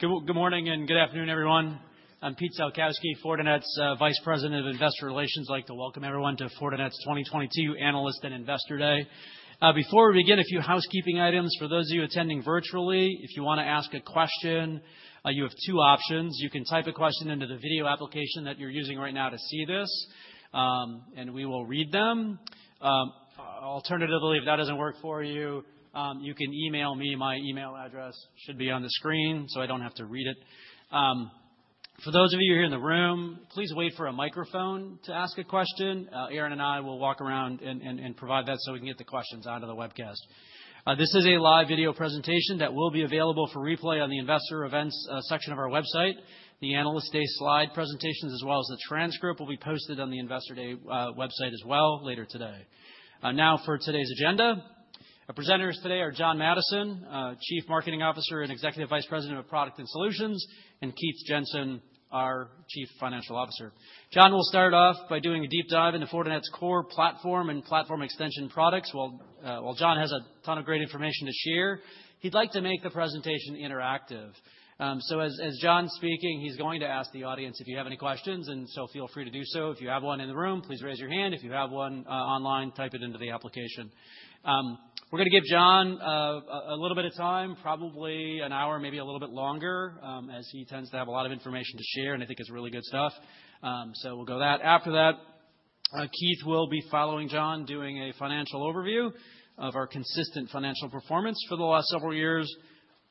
Good morning and good afternoon, everyone. I'm Peter Salkowski, Fortinet's Vice President of Investor Relations. I'd like to welcome everyone to Fortinet's 2022 Analyst and Investor Day. Before we begin, a few housekeeping items. For those of you attending virtually, if you wanna ask a question, you have two options. You can type a question into the video application that you're using right now to see this, and we will read them. Alternatively, if that doesn't work for you can email me. My email address should be on the screen, so I don't have to read it. For those of you who are in the room, please wait for a microphone to ask a question. Aaron and I will walk around and provide that so we can get the questions onto the webcast. This is a live video presentation that will be available for replay on the Investor Events section of our website. The Analyst Day slide presentations, as well as the transcript, will be posted on the Investor Day website as well later today. Now for today's agenda. Our presenters today are John Maddison, Chief Marketing Officer and Executive Vice President of Product and Solutions, and Keith Jensen, our Chief Financial Officer. John will start off by doing a deep dive into Fortinet's core platform and platform extension products. While John has a ton of great information to share, he'd like to make the presentation interactive. As John's speaking, he's going to ask the audience if you have any questions, and so feel free to do so. If you have one in the room, please raise your hand. If you have one, online, type it into the application. We're gonna give John a little bit of time, probably an hour, maybe a little bit longer, as he tends to have a lot of information to share, and I think it's really good stuff. So we'll go with that. After that, Keith will be following John, doing a financial overview of our consistent financial performance for the last several years,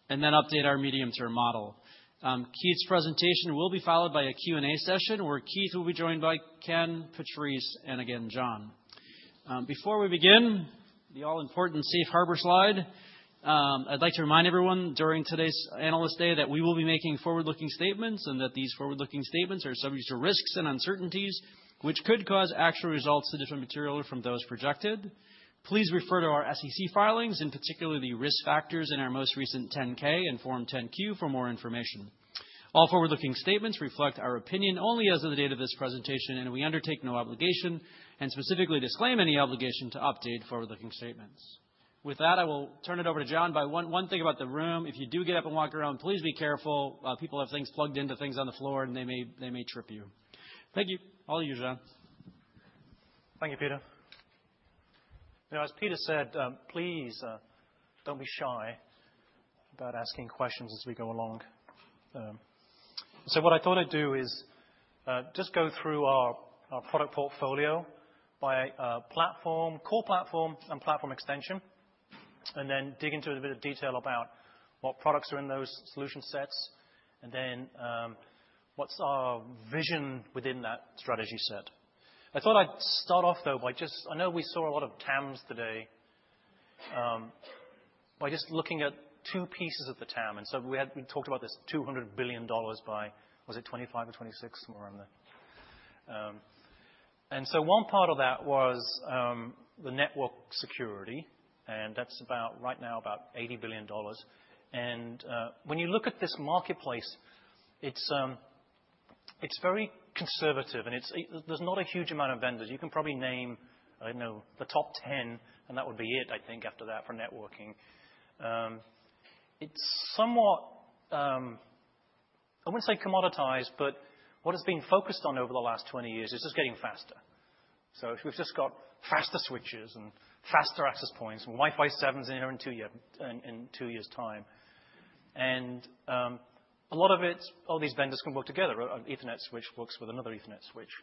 and then update our medium-term model. Keith's presentation will be followed by a Q&A session where Keith will be joined by Ken, Patrice, and again, John. Before we begin, the all-important safe harbor slide. I'd like to remind everyone, during today's Analyst Day, that we will be making forward-looking statements and that these forward-looking statements are subject to risks and uncertainties which could cause actual results to differ materially from those projected. Please refer to our SEC filings, and particularly the risk factors in our most recent 10-K and form 10-Q, for more information. All forward-looking statements reflect our opinion only as of the date of this presentation, and we undertake no obligation and specifically disclaim any obligation to update forward-looking statements. With that, I will turn it over to John. One thing about the room, if you do get up and walk around, please be careful. People have things plugged into things on the floor, and they may trip you. Thank you. Alright, John. Thank you, Peter. Now, as Peter said, please don't be shy about asking questions as we go along. So what I thought I'd do is just go through our product portfolio by platform, core platform and platform extension, and then dig into a bit of detail about what products are in those solution sets and then what's our vision within that strategy set. I thought I'd start off, though, by just I know we saw a lot of TAMs today by just looking at two pieces of the TAM. We talked about this $200 billion by, was it 2025 or 2026 somewhere in there? One part of that was the network security, and that's about, right now, $80 billion. When you look at this marketplace, it's very conservative and there's not a huge amount of vendors. You can probably name, I don't know, the top 10, and that would be it, I think, after that for networking. It's somewhat, I wouldn't say commoditized, but what it's been focused on over the last 20 years is just getting faster. We've just got faster switches and faster access points, and Wi-Fi 7 is in there in two years' time. A lot of it, all these vendors can work together. An Ethernet switch works with another Ethernet switch,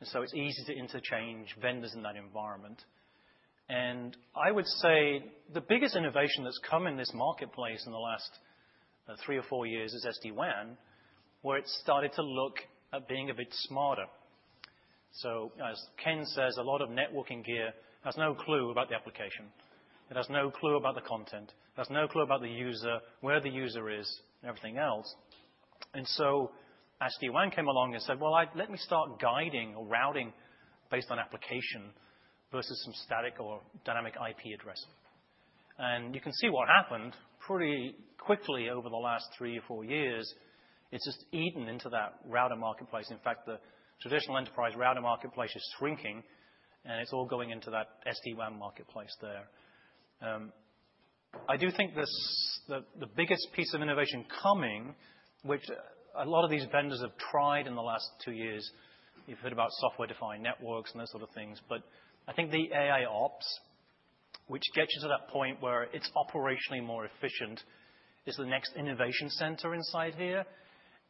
and so it's easy to interchange vendors in that environment. I would say the biggest innovation that's come in this marketplace in the last three or four years is SD-WAN, where it's started to look at being a bit smarter. As Ken says, a lot of networking gear has no clue about the application. It has no clue about the content. It has no clue about the user, where the user is, and everything else. As SD-WAN came along and said, "Well, let me start guiding or routing based on application versus some static or dynamic IP address." You can see what happened pretty quickly over the last three or four years, it's just eaten into that router marketplace. In fact, the traditional enterprise router marketplace is shrinking, and it's all going into that SD-WAN marketplace there. I do think the biggest piece of innovation coming, which a lot of these vendors have tried in the last two years, you've heard about software-defined networks and those sort of things, but I think the AIOps, which gets you to that point where it's operationally more efficient, is the next innovation center inside here.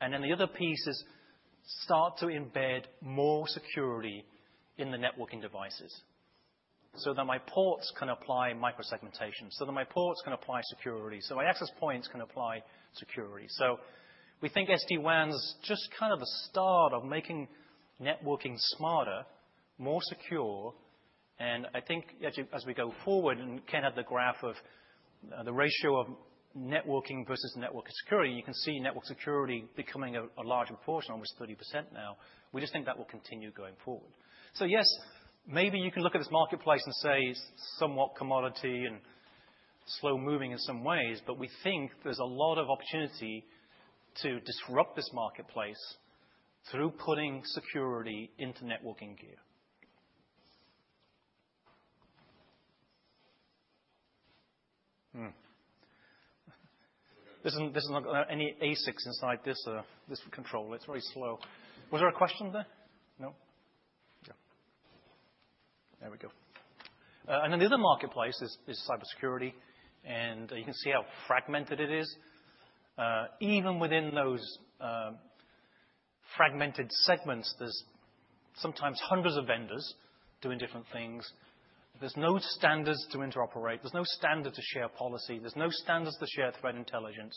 The other piece is start to embed more security in the networking devices so that my ports can apply micro-segmentation, so that my ports can apply security, so my access points can apply security. We think SD-WAN's just kind of the start of making networking smarter, more secure, and I think as we go forward and can have the graph of the ratio of networking versus network security, you can see network security becoming a larger portion, almost 30% now. We just think that will continue going forward. Yes, maybe you can look at this marketplace and say it's somewhat commodity and slow moving in some ways, but we think there's a lot of opportunity to disrupt this marketplace through putting security into networking gear. There's not any ASICs inside this control. It's very slow. Was there a question there? No. Yeah. There we go. Then the other marketplace is cybersecurity, and you can see how fragmented it is. Even within those fragmented segments, there's sometimes hundreds of vendors doing different things. There's no standards to interoperate. There's no standard to share policy. There's no standards to interoperate.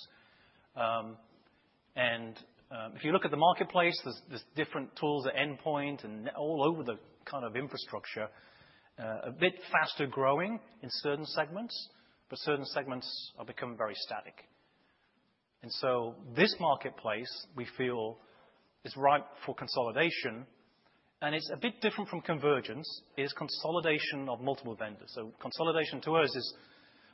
If you look at the marketplace, there's different tools at endpoint and all over the kind of infrastructure, a bit faster-growing in certain segments, but certain segments are becoming very static. This marketplace, we feel, is ripe for consolidation, and it's a bit different from convergence, is consolidation of multiple vendors. Consolidation to us is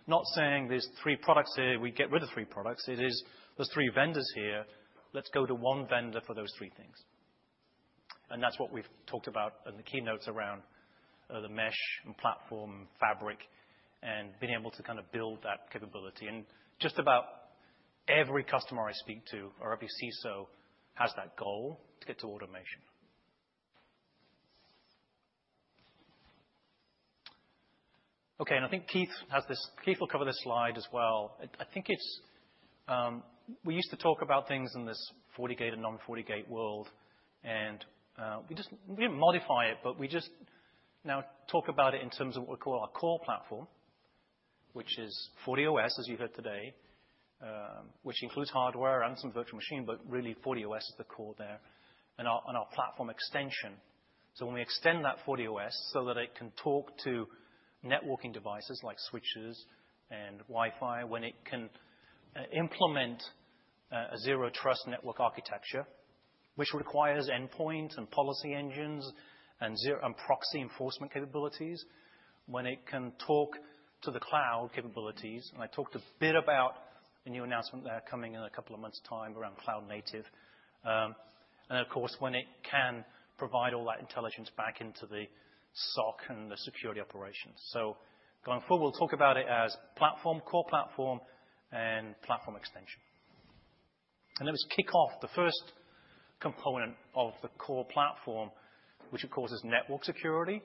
not saying there's three products here, we get rid of three products. It is, there's three vendors here, let's go to one vendor for those three things. That's what we've talked about in the keynotes around, the mesh and platform fabric, and being able to kind of build that capability. Just about every customer I speak to, or every CISO, has that goal to get to automation. Okay, I think Keith has this. Keith will cover this slide as well. I think it's we used to talk about things in this FortiGate and non-FortiGate world. We didn't modify it, but we just now talk about it in terms of what we call our core platform, which is FortiOS, as you heard today, which includes hardware and some virtual machine, but really FortiOS is the core there. Our platform extension. When we extend that FortiOS so that it can talk to networking devices like switches and Wi-Fi, when it can implement a zero-trust network architecture, which requires endpoint and policy engines and ZTNA and proxy enforcement capabilities, when it can talk to the cloud capabilities. I talked a bit about a new announcement there coming in a couple of months' time around cloud native. Of course, when it can provide all that intelligence back into the SOC and the security operations. Going forward, we'll talk about it as platform, core platform, and platform extension. Let us kick off the first component of the core platform, which of course is network security.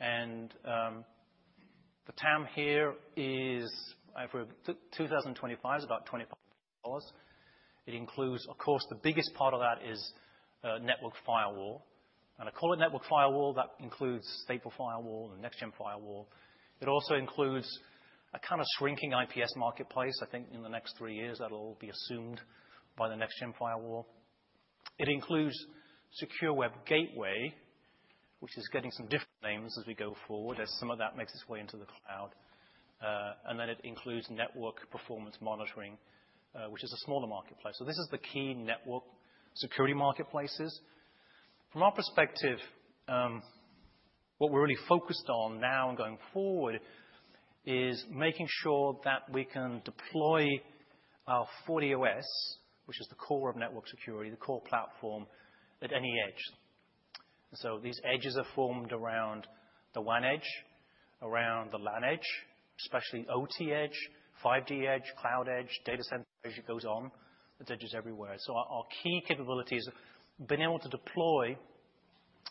The TAM here for 2025 is about $20 billion. It includes, of course, the biggest part of that is network firewall. I call it network firewall, that includes stateful firewall and next-gen firewall. It also includes a kind of shrinking IPS marketplace. I think in the next three years, that'll all be assumed by the next-gen firewall. It includes secure web gateway, which is getting some different names as we go forward, as some of that makes its way into the cloud. It includes network performance monitoring, which is a smaller marketplace. This is the key network security marketplaces. From our perspective, what we're really focused on now and going forward is making sure that we can deploy our FortiOS, which is the core of network security, the core platform, at any edge. These edges are formed around the WAN edge, around the LAN edge, especially OT edge, 5G edge, cloud edge, data center edge, it goes on, the edge is everywhere. Our key capability is being able to deploy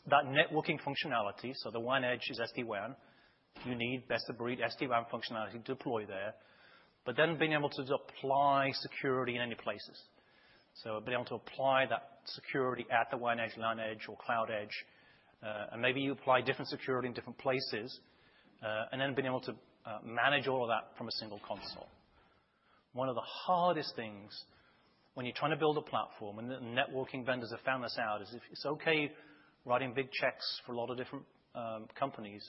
that networking functionality, so the WAN edge is SD-WAN. You need best-of-breed SD-WAN functionality deployed there. Being able to apply security in any places. Being able to apply that security at the WAN edge, LAN edge, or cloud edge, and maybe you apply different security in different places, and then being able to manage all of that from a single console. One of the hardest things when you're trying to build a platform, and the networking vendors have found this out, is if it's okay writing big checks for a lot of different companies,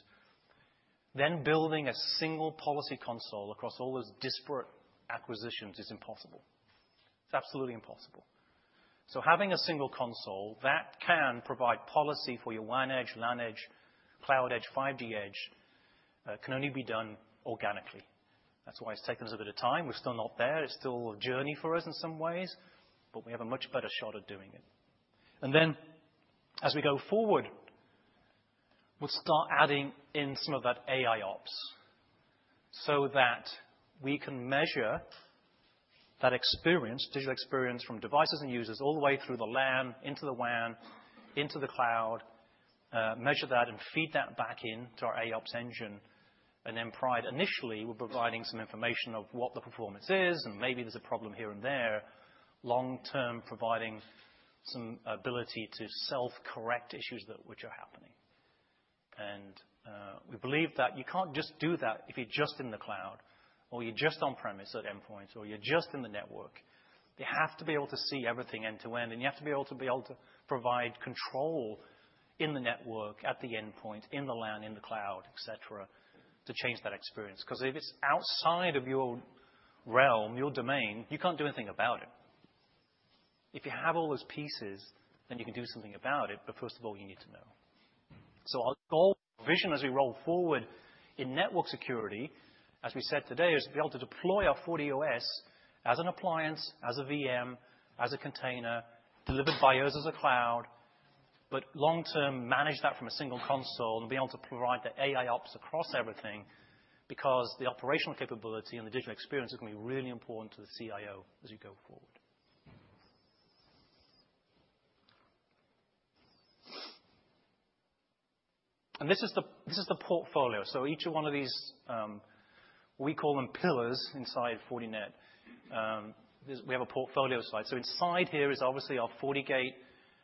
then building a single policy console across all those disparate acquisitions is impossible. It's absolutely impossible. Having a single console that can provide policy for your WAN edge, LAN edge, cloud edge, 5G edge, can only be done organically. That's why it's taken us a bit of time. We're still not there. It's still a journey for us in some ways, but we have a much better shot at doing it. As we go forward, we'll start adding in some of that AIOps, so that we can measure that experience, digital experience from devices and users all the way through the LAN, into the WAN, into the cloud, measure that and feed that back in to our AIOps engine, and then provide initially, we're providing some information of what the performance is and maybe there's a problem here and there, long-term providing some ability to self-correct issues that are happening. We believe that you can't just do that if you're just in the cloud or you're just on-premise at endpoints or you're just in the network. You have to be able to see everything end-to-end, and you have to be able to provide control in the network, at the endpoint, in the LAN, in the cloud, et cetera, to change that experience. 'Cause if it's outside of your realm, your domain, you can't do anything about it. If you have all those pieces, then you can do something about it, but first of all, you need to know. Our goal, our vision as we roll forward in network security, as we said today, is to be able to deploy our FortiOS as an appliance, as a VM, as a container, delivered by us as a cloud, but long-term manage that from a single console and be able to provide the AIOps across everything, because the operational capability and the digital experience is going to be really important to the CIO as you go forward. This is the portfolio. Each one of these, we call them pillars inside Fortinet. We have a portfolio slide. Inside here is obviously our FortiGate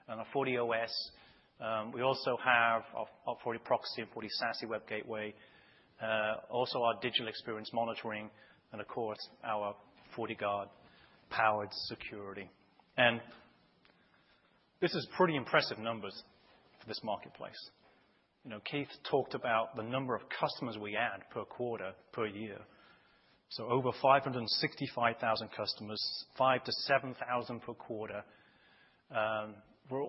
and our FortiOS. We also have our FortiProxy and FortiSASE Web Gateway, also our digital experience monitoring, and of course, our FortiGuard powered security. This is pretty impressive numbers for this marketplace. You know, Keith talked about the number of customers we add per quarter, per year. Over 565,000 customers, 5,000-7,000 per quarter. We're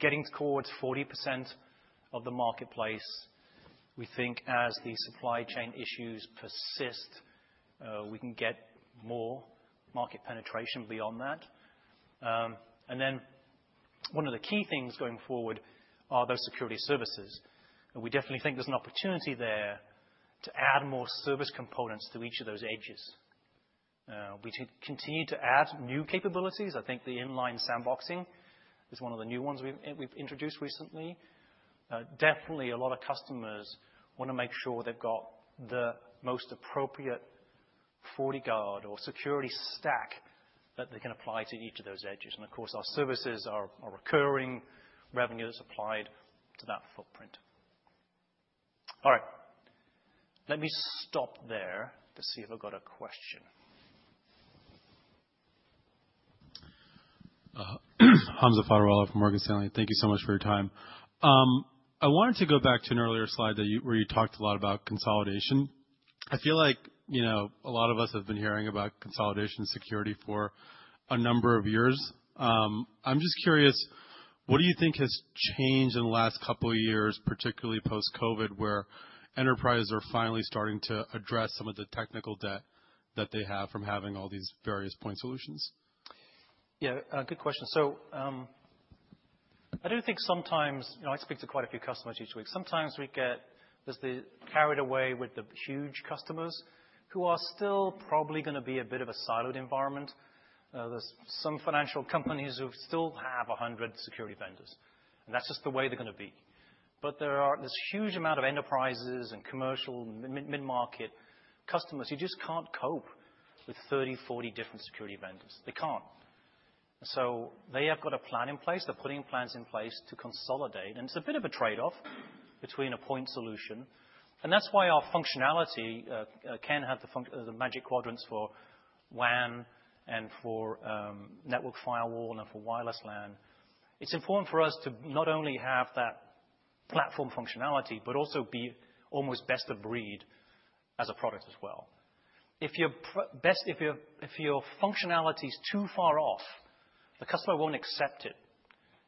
getting towards 40% of the marketplace. We think as the supply chain issues persist, we can get more market penetration beyond that. One of the key things going forward are those security services, and we definitely think there's an opportunity there to add more service components to each of those edges. We continue to add new capabilities. I think the inline sandboxing is one of the new ones we've introduced recently. Definitely a lot of customers wanna make sure they've got the most appropriate FortiGuard or security stack that they can apply to each of those edges. Of course, our services are recurring revenues applied to that footprint. All right. Let me stop there to see if I've got a question. Hamza Fodderwala from Morgan Stanley. Thank you so much for your time. I wanted to go back to an earlier slide where you talked a lot about consolidation. I feel like, you know, a lot of us have been hearing about security consolidation for a number of years. I'm just curious, what do you think has changed in the last couple of years, particularly post-COVID, where enterprises are finally starting to address some of the technical debt that they have from having all these various point solutions? Yeah. Good question. I do think sometimes. You know, I speak to quite a few customers each week. Sometimes we get carried away with the huge customers who are still probably gonna be a bit of a siloed environment. There's some financial companies who still have 100 security vendors. That's just the way they're gonna be. There are this huge amount of enterprises and commercial and mid-market customers who just can't cope with 30, 40 different security vendors. They can't. They have got a plan in place. They're putting plans in place to consolidate, and it's a bit of a trade-off between a point solution. That's why our functionality can have the Magic Quadrants for WAN and for network firewall and for wireless LAN. It's important for us to not only have that platform functionality, but also be almost best of breed as a product as well. If your functionality is too far off, the customer won't accept it.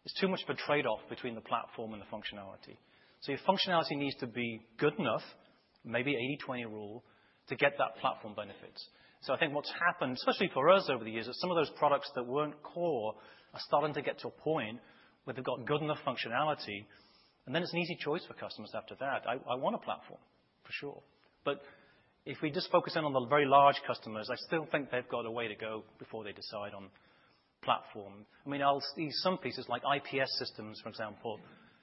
There's too much of a trade-off between the platform and the functionality. Your functionality needs to be good enough, maybe 80/20 rule, to get that platform benefits. I think what's happened, especially for us over the years, is some of those products that weren't core are starting to get to a point where they've got good enough functionality, and then it's an easy choice for customers after that. I want a platform, for sure. If we just focus in on the very large customers, I still think they've got a way to go before they decide on platform. I mean, I'll see some pieces like IPS systems, for example,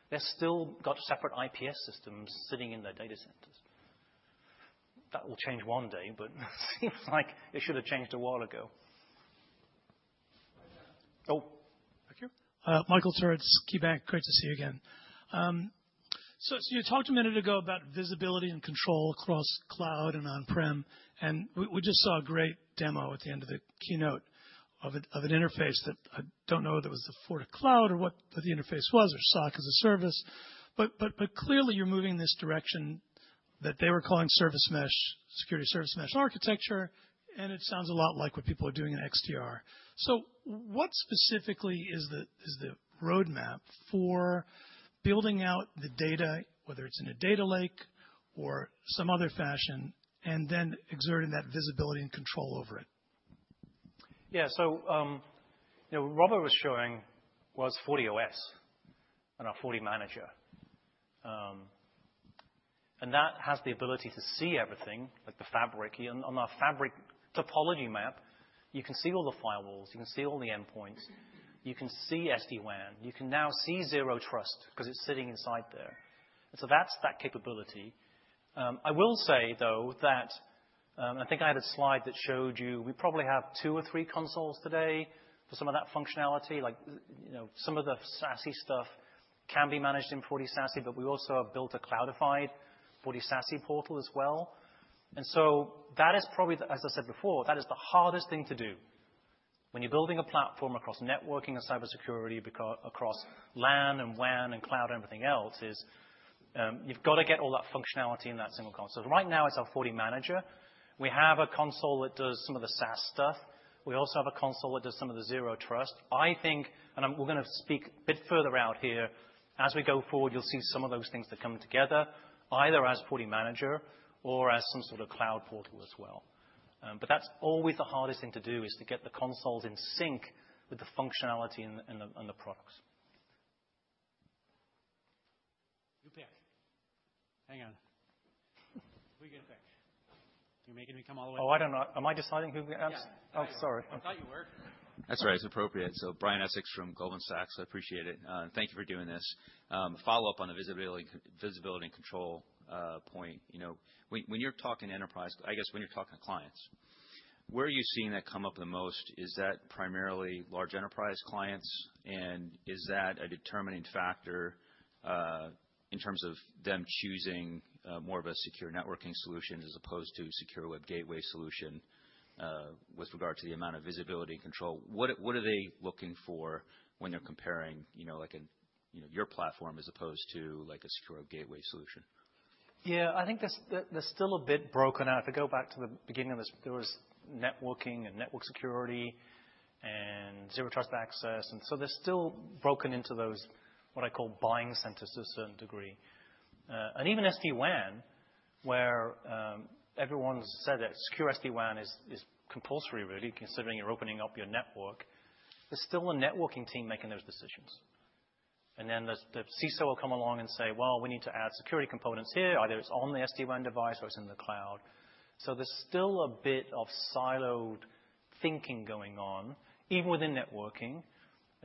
they still got separate IPS systems sitting in their data centers. That will change one day, but seems like it should have changed a while ago. Oh. Thank you. Michael Turits, KeyBanc. Great to see you again. You talked a minute ago about visibility and control across cloud and on-prem, and we just saw a great demo at the end of the keynote of an interface that I don't know if it was the FortiCloud or what the interface was or SOC as a service, but clearly, you're moving this direction that they were calling service mesh, security service mesh architecture, and it sounds a lot like what people are doing in XDR. What specifically is the roadmap for building out the data, whether it's in a data lake or some other fashion, and then exerting that visibility and control over it? Yeah. You know, what Robert was showing was FortiOS and our FortiManager. That has the ability to see everything like the fabric. On our fabric topology map, you can see all the firewalls, you can see all the endpoints, you can see SD-WAN, you can now see zero trust 'cause it's sitting inside there. That's that capability. I will say, though, that I think I had a slide that showed you, we probably have two or three consoles today for some of that functionality. Like, you know, some of the SASE stuff can be managed in FortiSASE, but we also have built a cloudified FortiSASE portal as well. That is probably. As I said before, that is the hardest thing to do. When you're building a platform across networking and cybersecurity across LAN and WAN and cloud and everything else, you've gotta get all that functionality in that single console. Right now it's our FortiManager. We have a console that does some of the SaaS stuff. We also have a console that does some of the zero trust. I think we're gonna speak a bit further out here. As we go forward, you'll see some of those things that come together, either as FortiManager or as some sort of cloud portal as well. But that's always the hardest thing to do is to get the consoles in sync with the functionality and the products. You pick. Hang on. Who you gonna pick? You're making me come all the way over here. Oh, I don't know. Am I deciding who the answer Yeah. Oh, sorry. I thought you were. That's all right. It's appropriate. Brian Essex from Goldman Sachs. I appreciate it, and thank you for doing this. Follow-up on the visibility and control point. You know, when you're talking to enterprise, I guess when you're talking to clients, where are you seeing that come up the most? Is that primarily large enterprise clients, and is that a determining factor in terms of them choosing more of a secure networking solution as opposed to secure web gateway solution with regard to the amount of visibility and control? What are they looking for when they're comparing, you know, like, you know, your platform as opposed to like a secure gateway solution? Yeah. I think they're still a bit broken. If I go back to the beginning of this, there was networking and network security and zero trust access, and they're still broken into those, what I call buying centers to a certain degree. Even SD-WAN, where everyone's said that secure SD-WAN is compulsory really considering you're opening up your network, there's still a networking team making those decisions. Then the CISO will come along and say, "Well, we need to add security components here, either it's on the SD-WAN device or it's in the cloud." There's still a bit of siloed thinking going on, even within networking,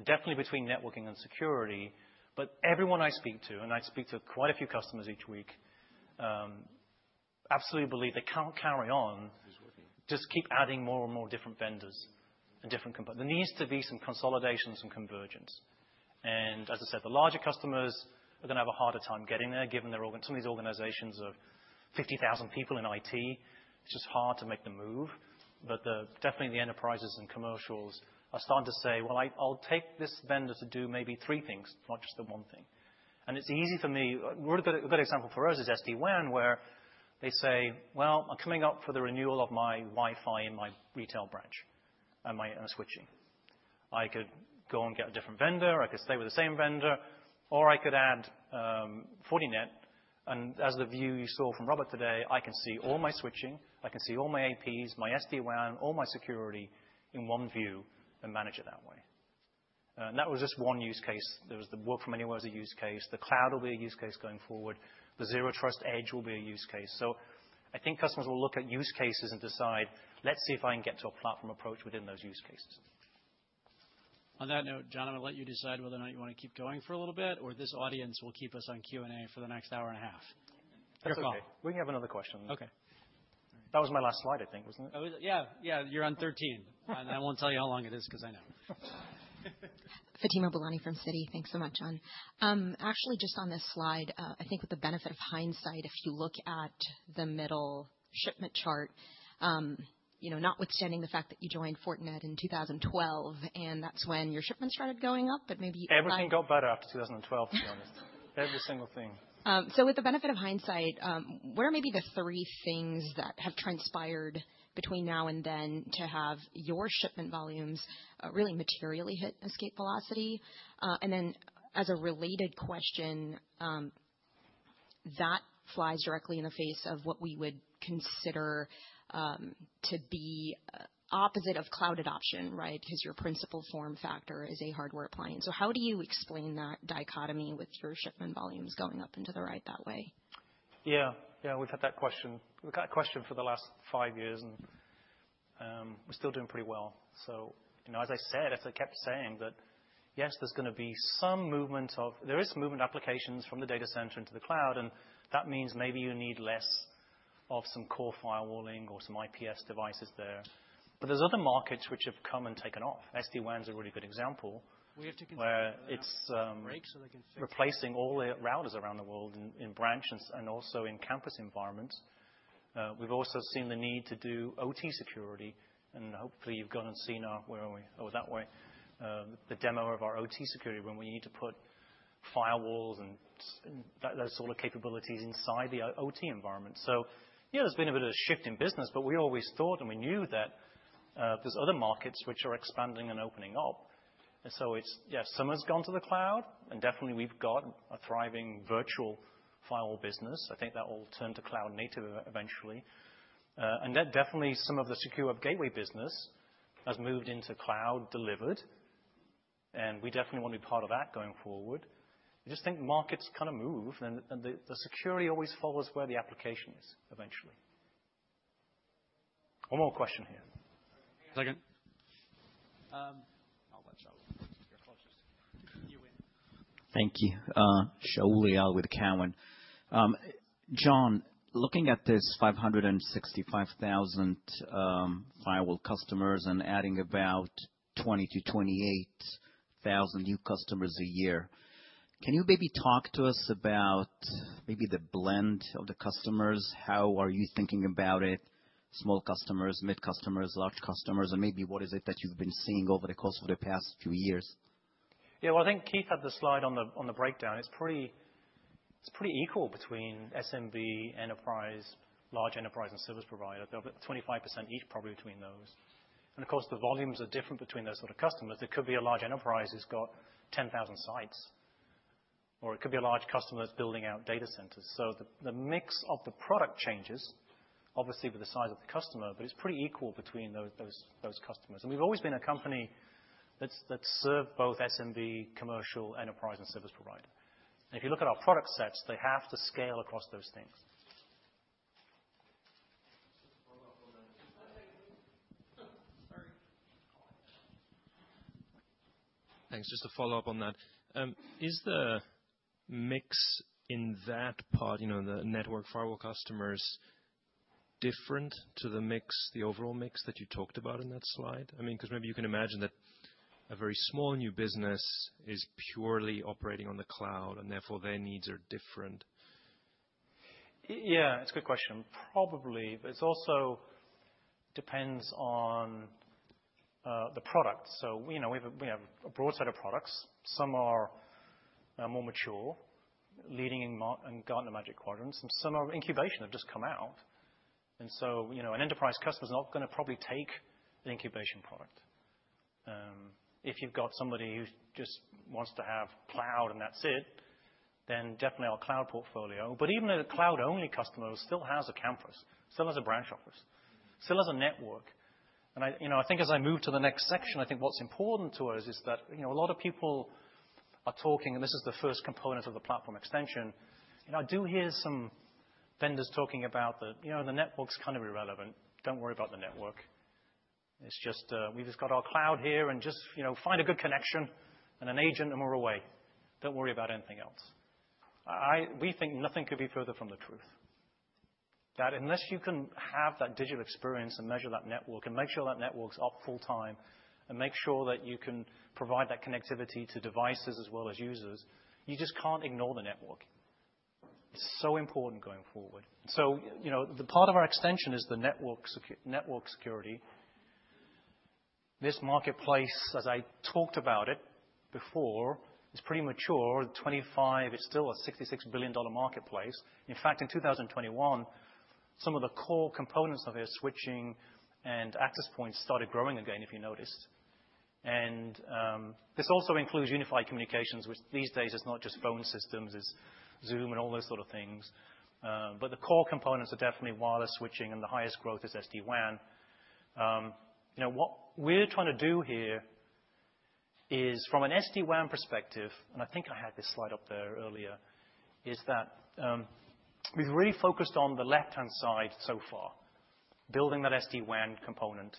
definitely between networking and security. Everyone I speak to, and I speak to quite a few customers each week, absolutely believe they can't carry on. Who's working? Just keep adding more and more different vendors and different companies. There needs to be some consolidation, some convergence. As I said, the larger customers are gonna have a harder time getting there, given some of these organizations of 50,000 people in IT, it's just hard to make the move. Definitely, the enterprises and commercials are starting to say, "Well, I'll take this vendor to do maybe three things, not just the one thing." It's easy for me. A really good example for us is SD-WAN, where they say, "Well, I'm coming up for the renewal of my Wi-Fi in my retail branch and my switching. I could go and get a different vendor, I could stay with the same vendor, or I could add Fortinet. As the view you saw from Robert today, I can see all my switching, I can see all my APs, my SD-WAN, all my security in one view and manage it that way. That was just one use case. There was the work from anywhere as a use case, the cloud will be a use case going forward, the zero trust edge will be a use case. I think customers will look at use cases and decide, let's see if I can get to a platform approach within those use cases. On that note, John, I'm gonna let you decide whether or not you wanna keep going for a little bit, or this audience will keep us on Q&A for the next hour and a half. Your call. That's okay. We have another question. Okay. All right. That was my last slide, I think, wasn't it? Oh, yeah. Yeah, you're on 13. I won't tell you how long it is 'cause I know. Fatima Boolani from Citi. Thanks so much, John. Actually just on this slide, I think with the benefit of hindsight, if you look at the middle shipment chart, you know, notwithstanding the fact that you joined Fortinet in 2012, and that's when your shipments started going up, but maybe- Everything got better after 2012, to be honest. Every single thing. With the benefit of hindsight, what are maybe the three things that have transpired between now and then to have your shipment volumes really materially hit escape velocity? As a related question, that flies directly in the face of what we would consider to be opposite of cloud adoption, right? 'Cause your principal form factor is a hardware appliance. How do you explain that dichotomy with your shipment volumes going up into the right that way? Yeah. We've had that question. We've got that question for the last five years and we're still doing pretty well. You know, as I kept saying that yes, there's gonna be some movement of applications from the data center into the cloud, and that means maybe you need less of some core firewalling or some IPS devices there. But there's other markets which have come and taken off. SD-WAN's a really good example. We have to. Where it's Break so they can switch. Replacing all the routers around the world in branches and also in campus environments. We've also seen the need to do OT security, and hopefully you've gone and seen our demo of our OT security when we need to put firewalls and that, those sort of capabilities inside the OT environment. Yeah, there's been a bit of shift in business, but we always thought and we knew that there's other markets which are expanding and opening up. It's, yeah, some has gone to the cloud and definitely we've got a thriving virtual firewall business. I think that will turn to cloud native eventually. And then definitely some of the secure web gateway business has moved into cloud delivered, and we definitely wanna be part of that going forward. I jus`t think markets kinda move and the security always follows where the application is eventually. One more question here. Second. I'll let you. You're closest. You wave. Thank you. Shaul Eyal with Cowen. John, looking at this 565,000 firewall customers and adding about 20-28,000 new customers a year. Can you maybe talk to us about maybe the blend of the customers? How are you thinking about it? Small customers, mid customers, large customers, and maybe what is it that you've been seeing over the course of the past few years? Yeah. Well, I think Keith had the slide on the breakdown. It's pretty equal between SMB, enterprise, large enterprise, and service provider. They're about 25% each probably between those. Of course, the volumes are different between those sort of customers. There could be a large enterprise that's got 10,000 sites, or it could be a large customer that's building out data centers. The mix of the product changes, obviously with the size of the customer, but it's pretty equal between those customers. We've always been a company that's served both SMB, commercial, enterprise, and service provider. If you look at our product sets, they have to scale across those things. Just a follow-up on that. Sorry. Thanks. Just to follow up on that. Is the mix in that part, you know, the network firewall customers different to the mix, the overall mix that you talked about in that slide? I mean, 'cause maybe you can imagine that a very small new business is purely operating on the cloud, and therefore their needs are different. Yeah, it's a good question. Probably, but it also depends on the product. We know we have a broad set of products. Some are more mature, leading in Gartner Magic Quadrant, some are incubation, have just come out. You know, an enterprise customer is not gonna probably take an incubation product. If you've got somebody who just wants to have cloud, and that's it, then definitely our cloud portfolio. But even a cloud-only customer still has a campus, still has a branch office, still has a network. I, you know, I think as I move to the next section, I think what's important to us is that, you know, a lot of people are talking, and this is the first component of the platform extension, and I do hear some vendors talking about the, you know, the network's kind of irrelevant, don't worry about the network. It's just, we've just got our cloud here and just, you know, find a good connection and an agent, and we're away. Don't worry about anything else. I, we think nothing could be further from the truth. That unless you can have that digital experience and measure that network and make sure that network's up full-time, and make sure that you can provide that connectivity to devices as well as users, you just can't ignore the network. It's so important going forward. You know, the part of our extension is the network security. This marketplace, as I talked about it before, is pretty mature. 25%, it's still a $66 billion marketplace. In fact, in 2021, some of the core components of it, switching and access points, started growing again, if you noticed. This also includes unified communications, which these days is not just phone systems, it's Zoom and all those sort of things. The core components are definitely wireless switching, and the highest growth is SD-WAN. You know, what we're trying to do here is from an SD-WAN perspective, and I think I had this slide up there earlier, is that we've really focused on the left-hand side so far, building that SD-WAN component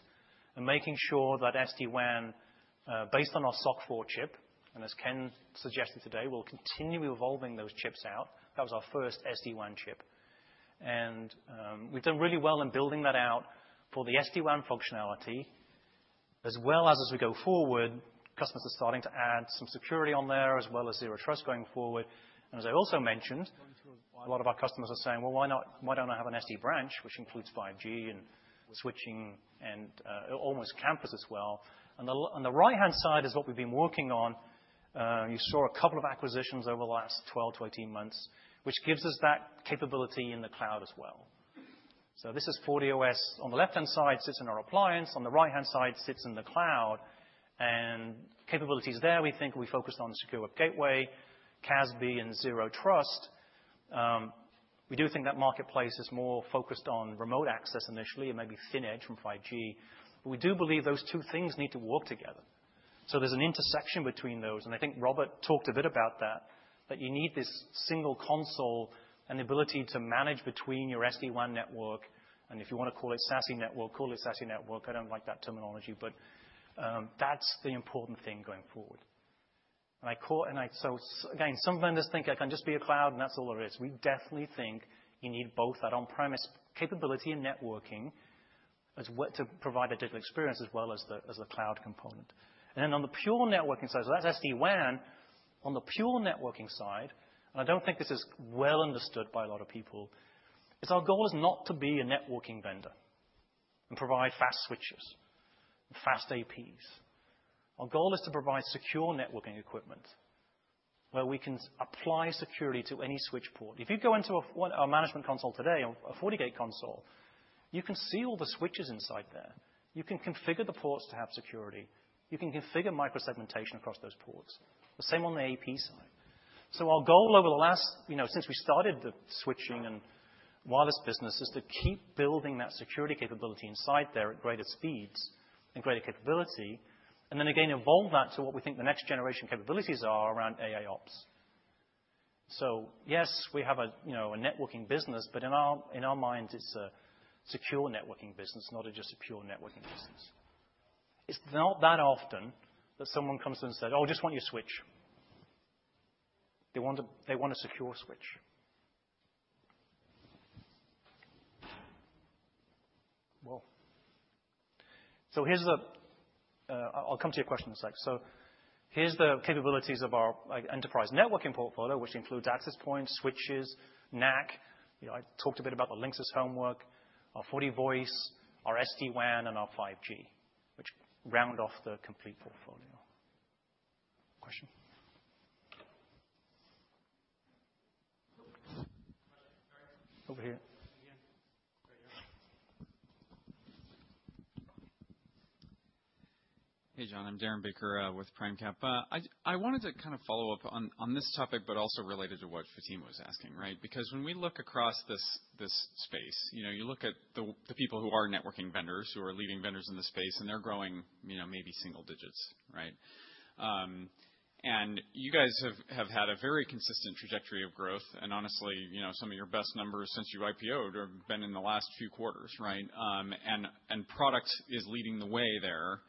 and making sure that SD-WAN based on our SOC4 chip, and as Ken suggested today, we'll continue evolving those chips out. That was our first SD-WAN chip. We've done really well in building that out for the SD-WAN functionality, as well as we go forward, customers are starting to add some security on there, as well as zero trust going forward. As I also mentioned, a lot of our customers are saying, "Well, why not, why don't I have an SD-Branch?" Which includes 5G and switching and almost campus as well. On the right-hand side is what we've been working on. You saw a couple of acquisitions over the last 12-18 months, which gives us that capability in the cloud as well. This is FortiOS on the left-hand side, sits in our appliance, on the right-hand side, sits in the cloud. Capabilities there, we think we focused on the secure web gateway, CASB, and zero trust. We do think that marketplace is more focused on remote access initially and maybe thin edge from 5G, but we do believe those two things need to work together. There's an intersection between those, and I think Robert talked a bit about that you need this single console and the ability to manage between your SD-WAN network, and if you wanna call it SASE network. I don't like that terminology, but, that's the important thing going forward. Again, some vendors think it can just be a cloud, and that's all there is. We definitely think you need both that on-premise capability and networking to provide a digital experience as well as a cloud component. On the pure networking side, so that's SD-WAN, on the pure networking side, and I don't think this is well understood by a lot of people, is our goal is not to be a networking vendor and provide fast switches and fast APs. Our goal is to provide secure networking equipment where we can apply security to any switch port. If you go into one of our management console today, a FortiGate console, you can see all the switches inside there. You can configure the ports to have security. You can configure micro-segmentation across those ports. The same on the AP side. Our goal over the last, you know, since we started the switching and wireless business, is to keep building that security capability inside there at greater speeds and greater capability, and then again, evolve that to what we think the next generation capabilities are around AIOps. Yes, we have a, you know, a networking business, but in our minds, it's a secure networking business, not just a pure networking business. It's not that often that someone comes to us and said, "Oh, I just want your switch." They want a secure switch. I'll come to your question in a sec. Here's the capabilities of our, like, enterprise networking portfolio, which includes access points, switches, NAC. You know, I talked a bit about the Linksys homework, our FortiVoice, our SD-WAN, and our 5G, which round off the complete portfolio. Question? Over here. Hey, John. I'm Darren Aftahi with PRIMECAP. I wanted to kind of follow up on this topic, but also related to what Fatima was asking, right? Because when we look across this space, you know, you look at the people who are networking vendors, who are leading vendors in this space, and they're growing, you know, maybe single digits, right? And you guys have had a very consistent trajectory of growth, and honestly, you know, some of your best numbers since you IPO'd have been in the last few quarters, right? And product is leading the way there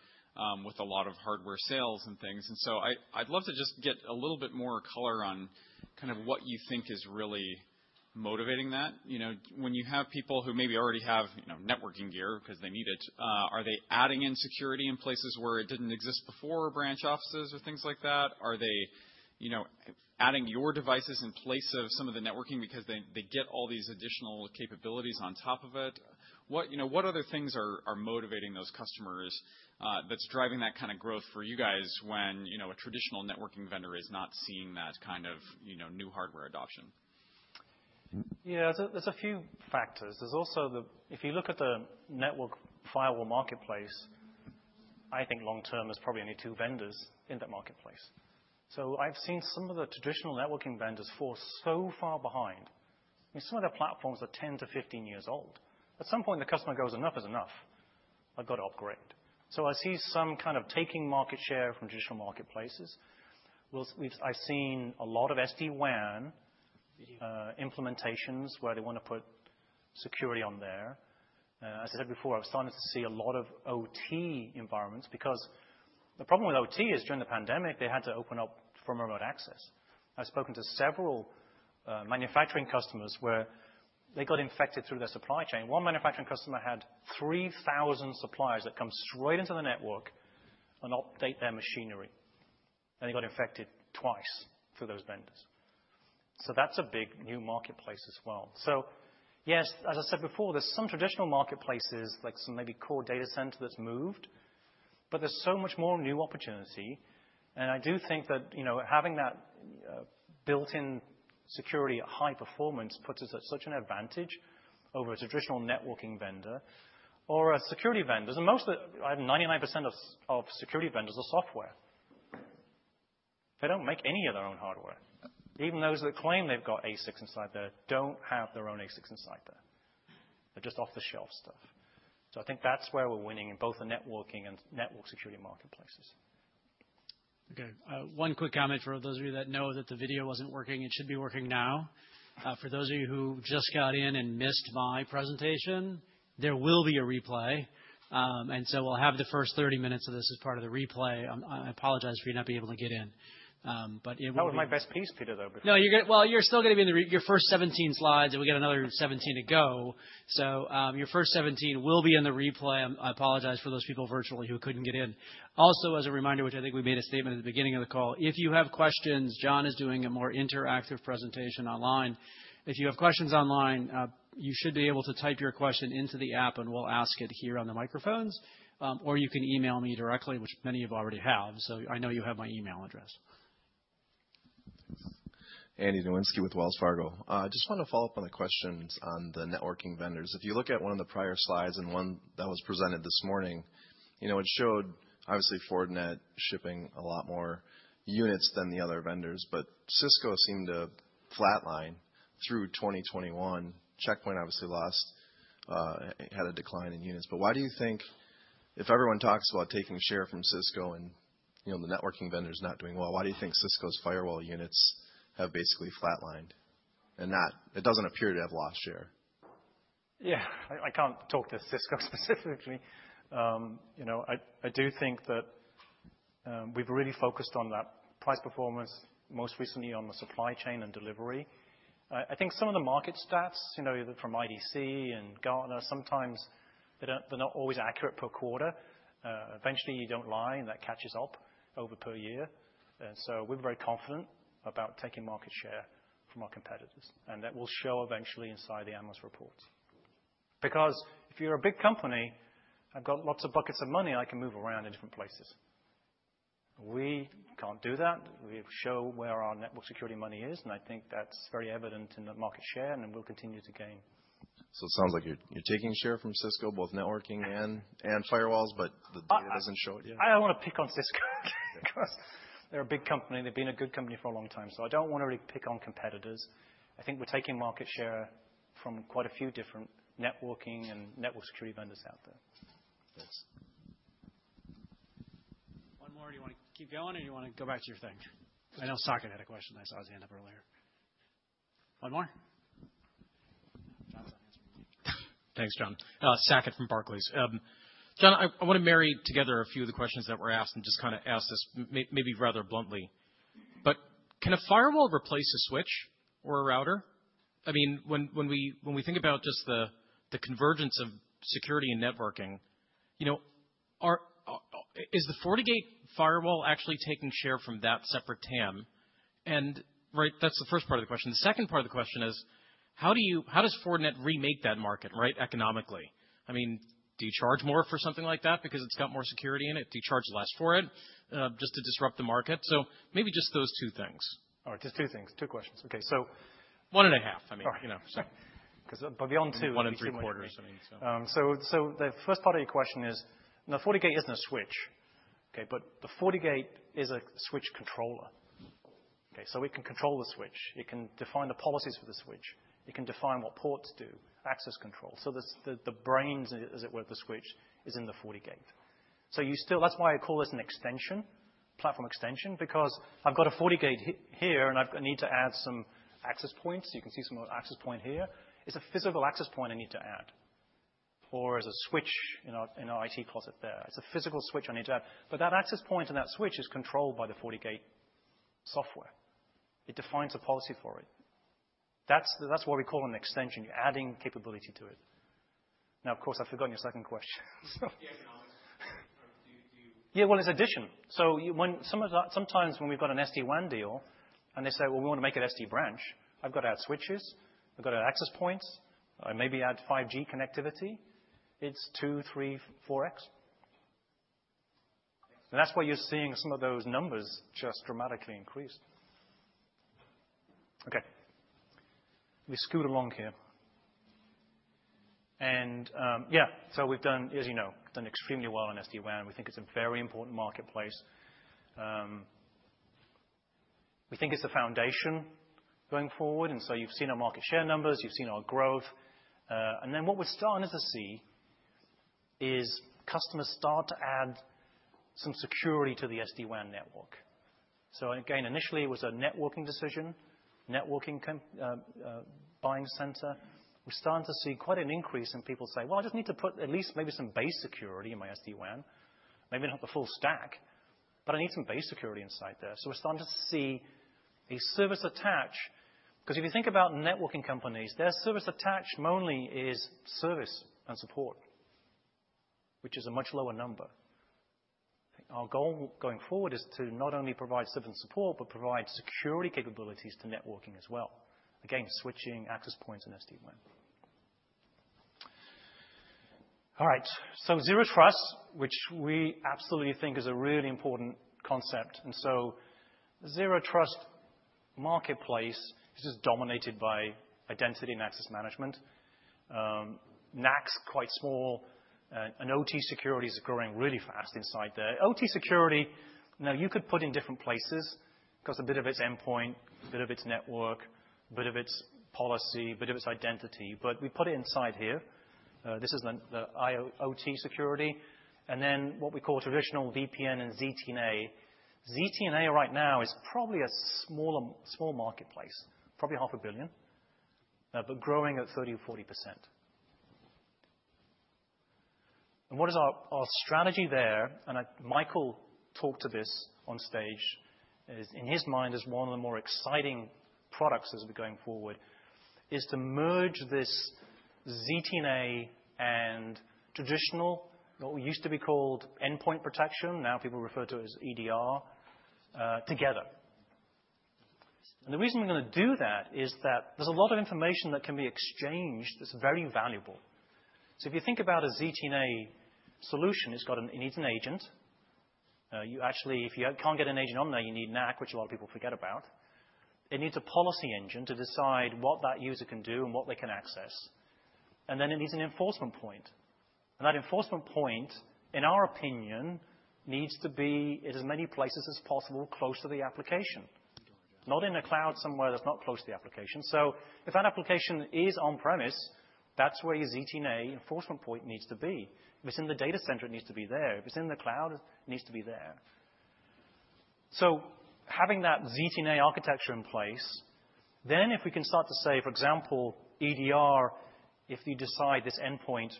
with a lot of hardware sales and things. I'd love to just get a little bit more color on kind of what you think is really motivating that. You know, when you have people who maybe already have, you know, networking gear because they need it, are they adding in security in places where it didn't exist before, branch offices or things like that? Are they, you know, adding your devices in place of some of the networking because they get all these additional capabilities on top of it? What, you know, what other things are motivating those customers, that's driving that kind of growth for you guys when, you know, a traditional networking vendor is not seeing that kind of, you know, new hardware adoption? Yeah. There's a few factors. There's also. If you look at the network firewall marketplace, I think long term, there's probably only two vendors in that marketplace. I've seen some of the traditional networking vendors fall so far behind, and some of their platforms are 10-15 years old. At some point, the customer goes, "Enough is enough. I've got to upgrade." I see some kind of taking market share from traditional marketplaces. We've seen a lot of SD-WAN implementations where they wanna put security on there. As I said before, I'm starting to see a lot of OT environments because the problem with OT is, during the pandemic, they had to open up for remote access. I've spoken to several manufacturing customers where they got infected through their supply chain. One manufacturing customer had 3,000 suppliers that come straight into the network and update their machinery, and they got infected twice through those vendors. That's a big new marketplace as well. Yes, as I said before, there's some traditional marketplaces, like some maybe core data center that's moved, but there's so much more new opportunity. I do think that, you know, having that built-in security at high performance puts us at such an advantage over a traditional networking vendor or a security vendor. Most of the ninety-nine percent of security vendors are software. They don't make any of their own hardware. Even those that claim they've got ASICs inside there don't have their own ASICs inside there. They're just off-the-shelf stuff. I think that's where we're winning in both the networking and network security marketplaces. Okay. One quick comment for those of you that know that the video wasn't working, it should be working now. For those of you who just got in and missed my presentation, there will be a replay. We'll have the first 30 minutes of this as part of the replay. I apologize for you not being able to get in. It will be. That was my best piece, Peter, though. No, you're gonna. Well, you're still gonna be in the replay, your first 17 slides, and we got another 17 to go. Your first 17 will be in the replay. I apologize for those people virtually who couldn't get in. Also, as a reminder, which I think we made a statement at the beginning of the call, if you have questions, John is doing a more interactive presentation online. If you have questions online, you should be able to type your question into the app, and we'll ask it here on the microphones. Or you can email me directly, which many of you already have. I know you have my email address. Andy Nowinski with Wells Fargo. Just wanna follow up on the questions on the networking vendors. If you look at one of the prior slides and one that was presented this morning, you know, it showed obviously Fortinet shipping a lot more units than the other vendors. But Cisco seemed to flatline through 2021. Check Point obviously lost, had a decline in units. But why do you think if everyone talks about taking share from Cisco and, you know, the networking vendors not doing well, why do you think Cisco's firewall units have basically flatlined and not, it doesn't appear to have lost share? Yeah. I can't talk to Cisco specifically. You know, I do think that we've really focused on that price performance, most recently on the supply chain and delivery. I think some of the market stats, you know, either from IDC and Gartner, sometimes they're not always accurate per quarter. Eventually numbers don't lie, and that catches up over the year. We're very confident about taking market share from our competitors, and that will show eventually inside the analyst reports. Because if you're a big company, I've got lots of buckets of money I can move around in different places. We can't do that. We show where our network security money is, and I think that's very evident in the market share, and then we'll continue to gain. It sounds like you're taking share from Cisco, both networking and firewalls, but the data doesn't show it yet. I don't wanna pick on Cisco 'cause they're a big company, and they've been a good company for a long time, so I don't wanna really pick on competitors. I think we're taking market share from quite a few different networking and network security vendors out there. Thanks. One more. Do you wanna keep going or do you wanna go back to your thing? I know Saket had a question. I saw his hand up earlier. One more? Thanks, John. Saket from Barclays. John, I wanna marry together a few of the questions that were asked and just kinda ask this maybe rather bluntly. Can a firewall replace a switch or a router? I mean, when we think about just the convergence of security and networking, you know, is the FortiGate firewall actually taking share from that separate TAM? Right, that's the first part of the question. The second part of the question is, how does Fortinet remake that market, right, economically? I mean, do you charge more for something like that because it's got more security in it? Do you charge less for it, just to disrupt the market? Maybe just those two things. All right, just two things. Two questions, okay. 1.5. I mean, you know. All right. Sorry. 1.75, I mean, so. The first part of your question is, you know, FortiGate isn't a switch, okay, but the FortiGate is a switch controller. Mm-hmm. Okay? It can control the switch. It can define the policies for the switch. It can define what ports do, access control. The brains, as it were, of the switch is in the FortiGate. That's why I call this an extension, platform extension, because I've got a FortiGate here, and I've a need to add some access points. You can see some access point here. It's a physical access point I need to add. Or a switch in our IT closet there. It's a physical switch I need to add. That access point and that switch is controlled by the FortiGate software. It defines a policy for it. That's what we call an extension. You're adding capability to it. Now, of course, I've forgotten your second question. The economics. I mean, do you? Yeah. Well, it's addition. Sometimes when we've got an SD-WAN deal, and they say, "Well, we wanna make it SD-Branch," I've gotta add switches, I've gotta add access points, I maybe add 5G connectivity. It's 2, 3, 4x. That's why you're seeing some of those numbers just dramatically increase. Okay. Let me scoot along here. We've done, as you know, extremely well in SD-WAN. We think it's a very important marketplace. We think it's the foundation going forward, and so you've seen our market share numbers, you've seen our growth. What we're starting to see is customers start to add some security to the SD-WAN network. Initially it was a networking decision, buying center. We're starting to see quite an increase in people say, "Well, I just need to put at least maybe some base security in my SD-WAN. Maybe not the full stack, but I need some base security inside there." We're starting to see a service attach, because if you think about networking companies, their service attach only is service and support, which is a much lower number. Our goal going forward is to not only provide service and support, but provide security capabilities to networking as well. Again, switching access points in SD-WAN. All right. Zero Trust, which we absolutely think is a really important concept. Zero Trust marketplace is just dominated by identity and access management. NAC's quite small, and OT security is growing really fast inside there. OT security, now you could put in different places 'cause a bit of it's endpoint, a bit of it's network, a bit of it's policy, a bit of it's identity, but we put it inside here. This is the IIoT security, and then what we call traditional VPN and ZTNA. ZTNA right now is probably a small marketplace, probably $0.5 billion, but growing at 30%-40%. What is our strategy there, and Michael talked to this on stage, is in his mind is one of the more exciting products as we're going forward, is to merge this ZTNA and traditional, what used to be called endpoint protection, now people refer to as EDR, together. The reason we're gonna do that is that there's a lot of information that can be exchanged that's very valuable. If you think about a ZTNA solution, it needs an agent. You actually, if you can't get an agent on there, you need NAC, which a lot of people forget about. It needs a policy engine to decide what that user can do and what they can access. It needs an enforcement point. That enforcement point, in our opinion, needs to be in as many places as possible, close to the application. Not in a cloud somewhere that's not close to the application. If that application is on-premises, that's where your ZTNA enforcement point needs to be. If it's in the data center, it needs to be there. If it's in the cloud, it needs to be there. Having that ZTNA architecture in place, then if we can start to say, for example, EDR, if you decide this endpoint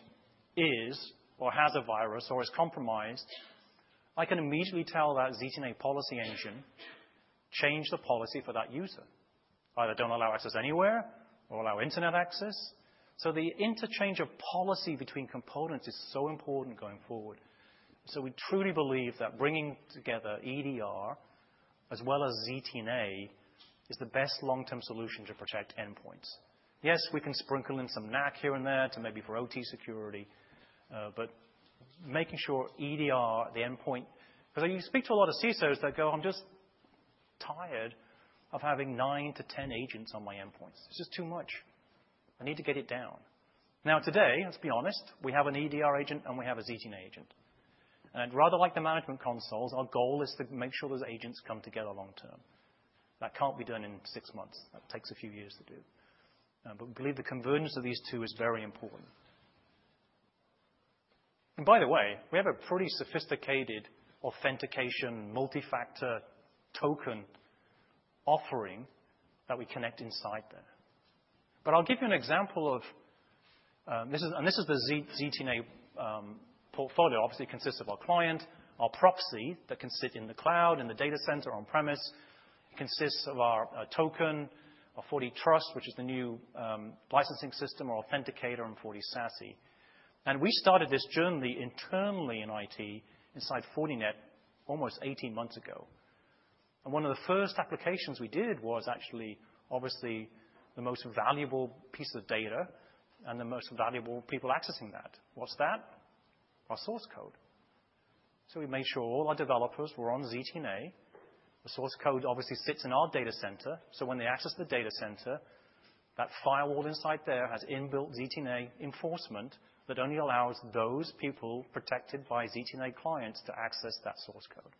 is or has a virus or is compromised, I can immediately tell that ZTNA policy engine, "Change the policy for that user." Either don't allow access anywhere or allow internet access. The interchange of policy between components is so important going forward. We truly believe that bringing together EDR as well as ZTNA is the best long-term solution to protect endpoints. Yes, we can sprinkle in some NAC here and there to maybe for OT security, but making sure EDR, the endpoint. 'Cause you speak to a lot of CISOs that go, "I'm just tired of having nine to 10 agents on my endpoints. It's just too much. I need to get it down. Now today, let's be honest, we have an EDR agent, and we have a ZTNA agent. Rather like the management consoles, our goal is to make sure those agents come together long term. That can't be done in six months. That takes a few years to do. We believe the convergence of these two is very important. By the way, we have a pretty sophisticated authentication multi-factor token offering that we connect inside there. I'll give you an example. This is the ZTNA portfolio. Obviously, it consists of our client, our proxy that can sit in the cloud, in the data center on premise. It consists of our token, our FortiTrust, which is the new licensing system, our authenticator, and FortiSASE. We started this journey internally in IT inside Fortinet almost 18 months ago. One of the first applications we did was actually obviously the most valuable piece of data and the most valuable people accessing that. What's that? Our source code. We made sure all our developers were on ZTNA. The source code obviously sits in our data center, so when they access the data center, that firewall inside there has inbuilt ZTNA enforcement that only allows those people protected by ZTNA clients to access that source code.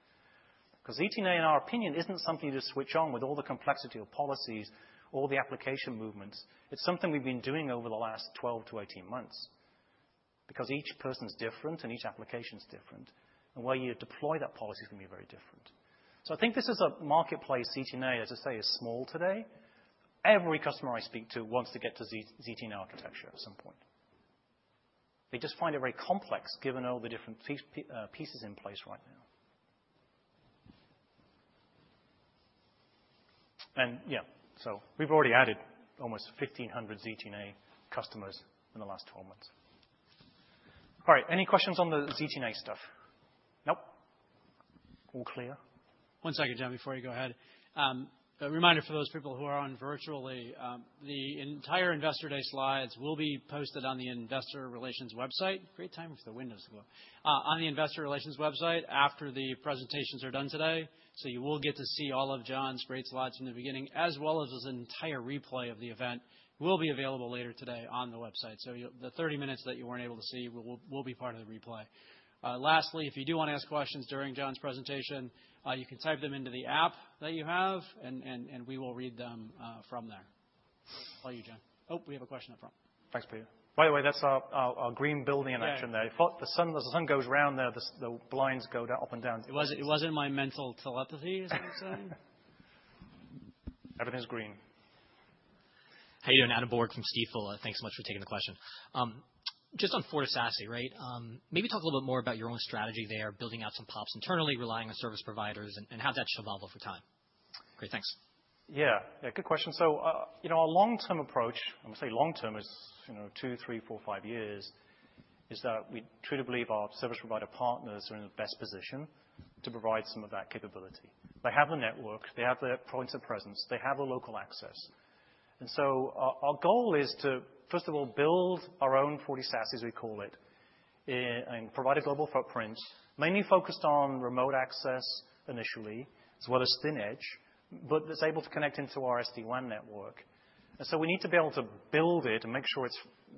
Because ZTNA, in our opinion, isn't something you just switch on with all the complexity of policies or the application movements. It's something we've been doing over the last 12-18 months because each person is different and each application is different, and the way you deploy that policy can be very different. I think this is a marketplace. ZTNA, as I say, is small today. Every customer I speak to wants to get to ZTNA architecture at some point. They just find it very complex given all the different pieces in place right now. We've already added almost 1,500 ZTNA customers in the last 12 months. All right, any questions on the ZTNA stuff? Nope. All clear. One second, John, before you go ahead. A reminder for those people who are on virtually, the entire Investor Day slides will be posted on the investor relations website. Great timing for the windows to go. On the investor relations website after the presentations are done today. You will get to see all of John's great slides in the beginning, as well as his entire replay of the event will be available later today on the website. The 30 minutes that you weren't able to see will be part of the replay. Lastly, if you do wanna ask questions during John's presentation, you can type them into the app that you have and we will read them from there. All yours, John. Oh, we have a question up front. Thanks, Peter. By the way, that's our green building in action there. Yeah. The sun, as the sun goes round there, the blinds go up and down. It wasn't my mental telepathy, is what you're saying? Everything's green. How you doing? Adam Borg from Stifel. Thanks so much for taking the question. Just on FortiSASE, right, maybe talk a little bit more about your own strategy there, building out some POPs internally, relying on service providers and how that should evolve over time. Great. Thanks. Yeah. Yeah, good question. You know, our long-term approach, when I say long-term, is, you know, two, three, four, five years, is that we truly believe our service provider partners are in the best position to provide some of that capability. They have the network, they have the points of presence, they have the local access. Our goal is to, first of all, build our own FortiSASE, as we call it, and provide a global footprint, mainly focused on remote access initially, as well as thin edge, but that's able to connect into our SD-WAN network. We need to be able to build it and make sure it's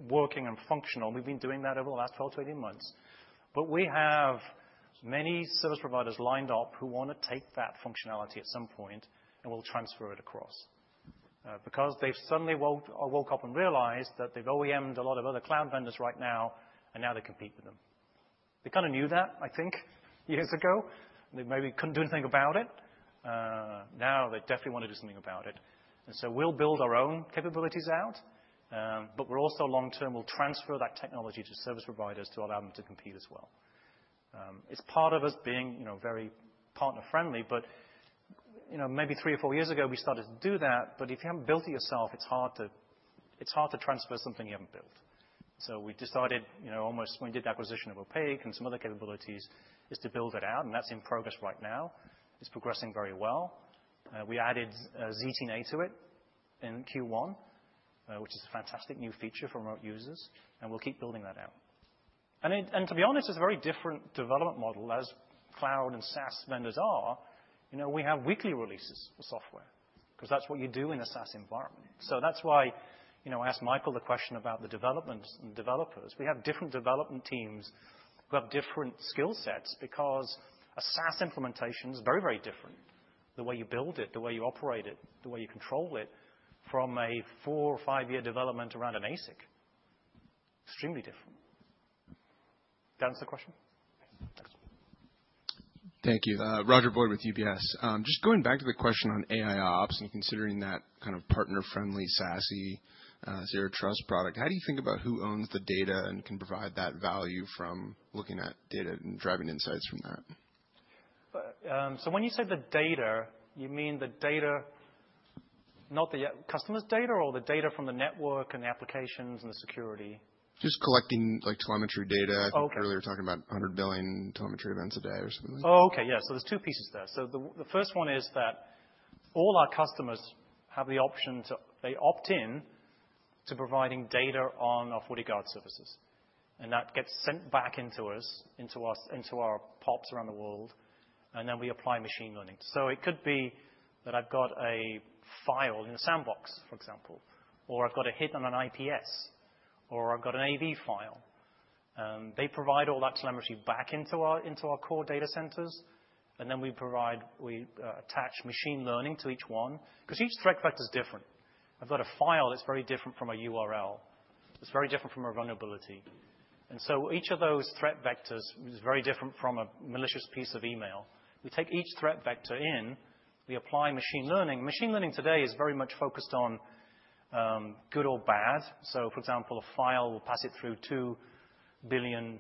working and functional, and we've been doing that over the last 12-18 months. We have many service providers lined up who wanna take that functionality at some point, and we'll transfer it across. Because they've suddenly woke up and realized that they've OEM'd a lot of other cloud vendors right now, and now they compete with them. They kinda knew that, I think, years ago, and they maybe couldn't do anything about it. Now they definitely wanna do something about it. We'll build our own capabilities out, but we're also long-term, we'll transfer that technology to service providers to allow them to compete as well. It's part of us being, you know, very partner-friendly, but, you know, maybe three or four years ago, we started to do that, but if you haven't built it yourself, it's hard to transfer something you haven't built. We decided, you know, almost when we did the acquisition of OPAQ and some other capabilities, is to build it out, and that's in progress right now. It's progressing very well. We added ZTNA to it in Q1, which is a fantastic new feature for remote users, and we'll keep building that out. To be honest, it's a very different development model as cloud and SaaS vendors are. You know, we have weekly releases for software 'cause that's what you do in a SaaS environment. That's why, you know, I asked Michael the question about the development and developers. We have different development teams who have different skill sets because a SaaS implementation is very, very different. The way you build it, the way you operate it, the way you control it from a four or five-year development around an ASIC. Extremely different. Does that answer the question? Yes. Thanks. Thank you. Roger Boyd with UBS. Just going back to the question on AIOps and considering that kind of partner-friendly SASE, zero trust product, how do you think about who owns the data and can provide that value from looking at data and driving insights from that? When you say the data, you mean the data not the customer's data or the data from the network and the applications and the security? Just collecting, like, telemetry data. Okay. I think earlier you were talking about 100 billion telemetry events a day or something. Oh, okay. Yeah. There's two pieces there. The first one is that all our customers have the option to. They opt in to providing data on our FortiGuard services, and that gets sent back into us into our POPs around the world, and then we apply machine learning. It could be that I've got a file in a sandbox, for example, or I've got a hit on an IPS, or I've got an AV file. They provide all that telemetry back into our into our core data centers, and then we attach machine learning to each one 'cause each threat vector is different. I've got a file that's very different from a URL, that's very different from a vulnerability. Each of those threat vectors is very different from a malicious piece of email. We take each threat vector in, we apply machine learning. Machine learning today is very much focused on good or bad. For example, a file, we'll pass it through two billion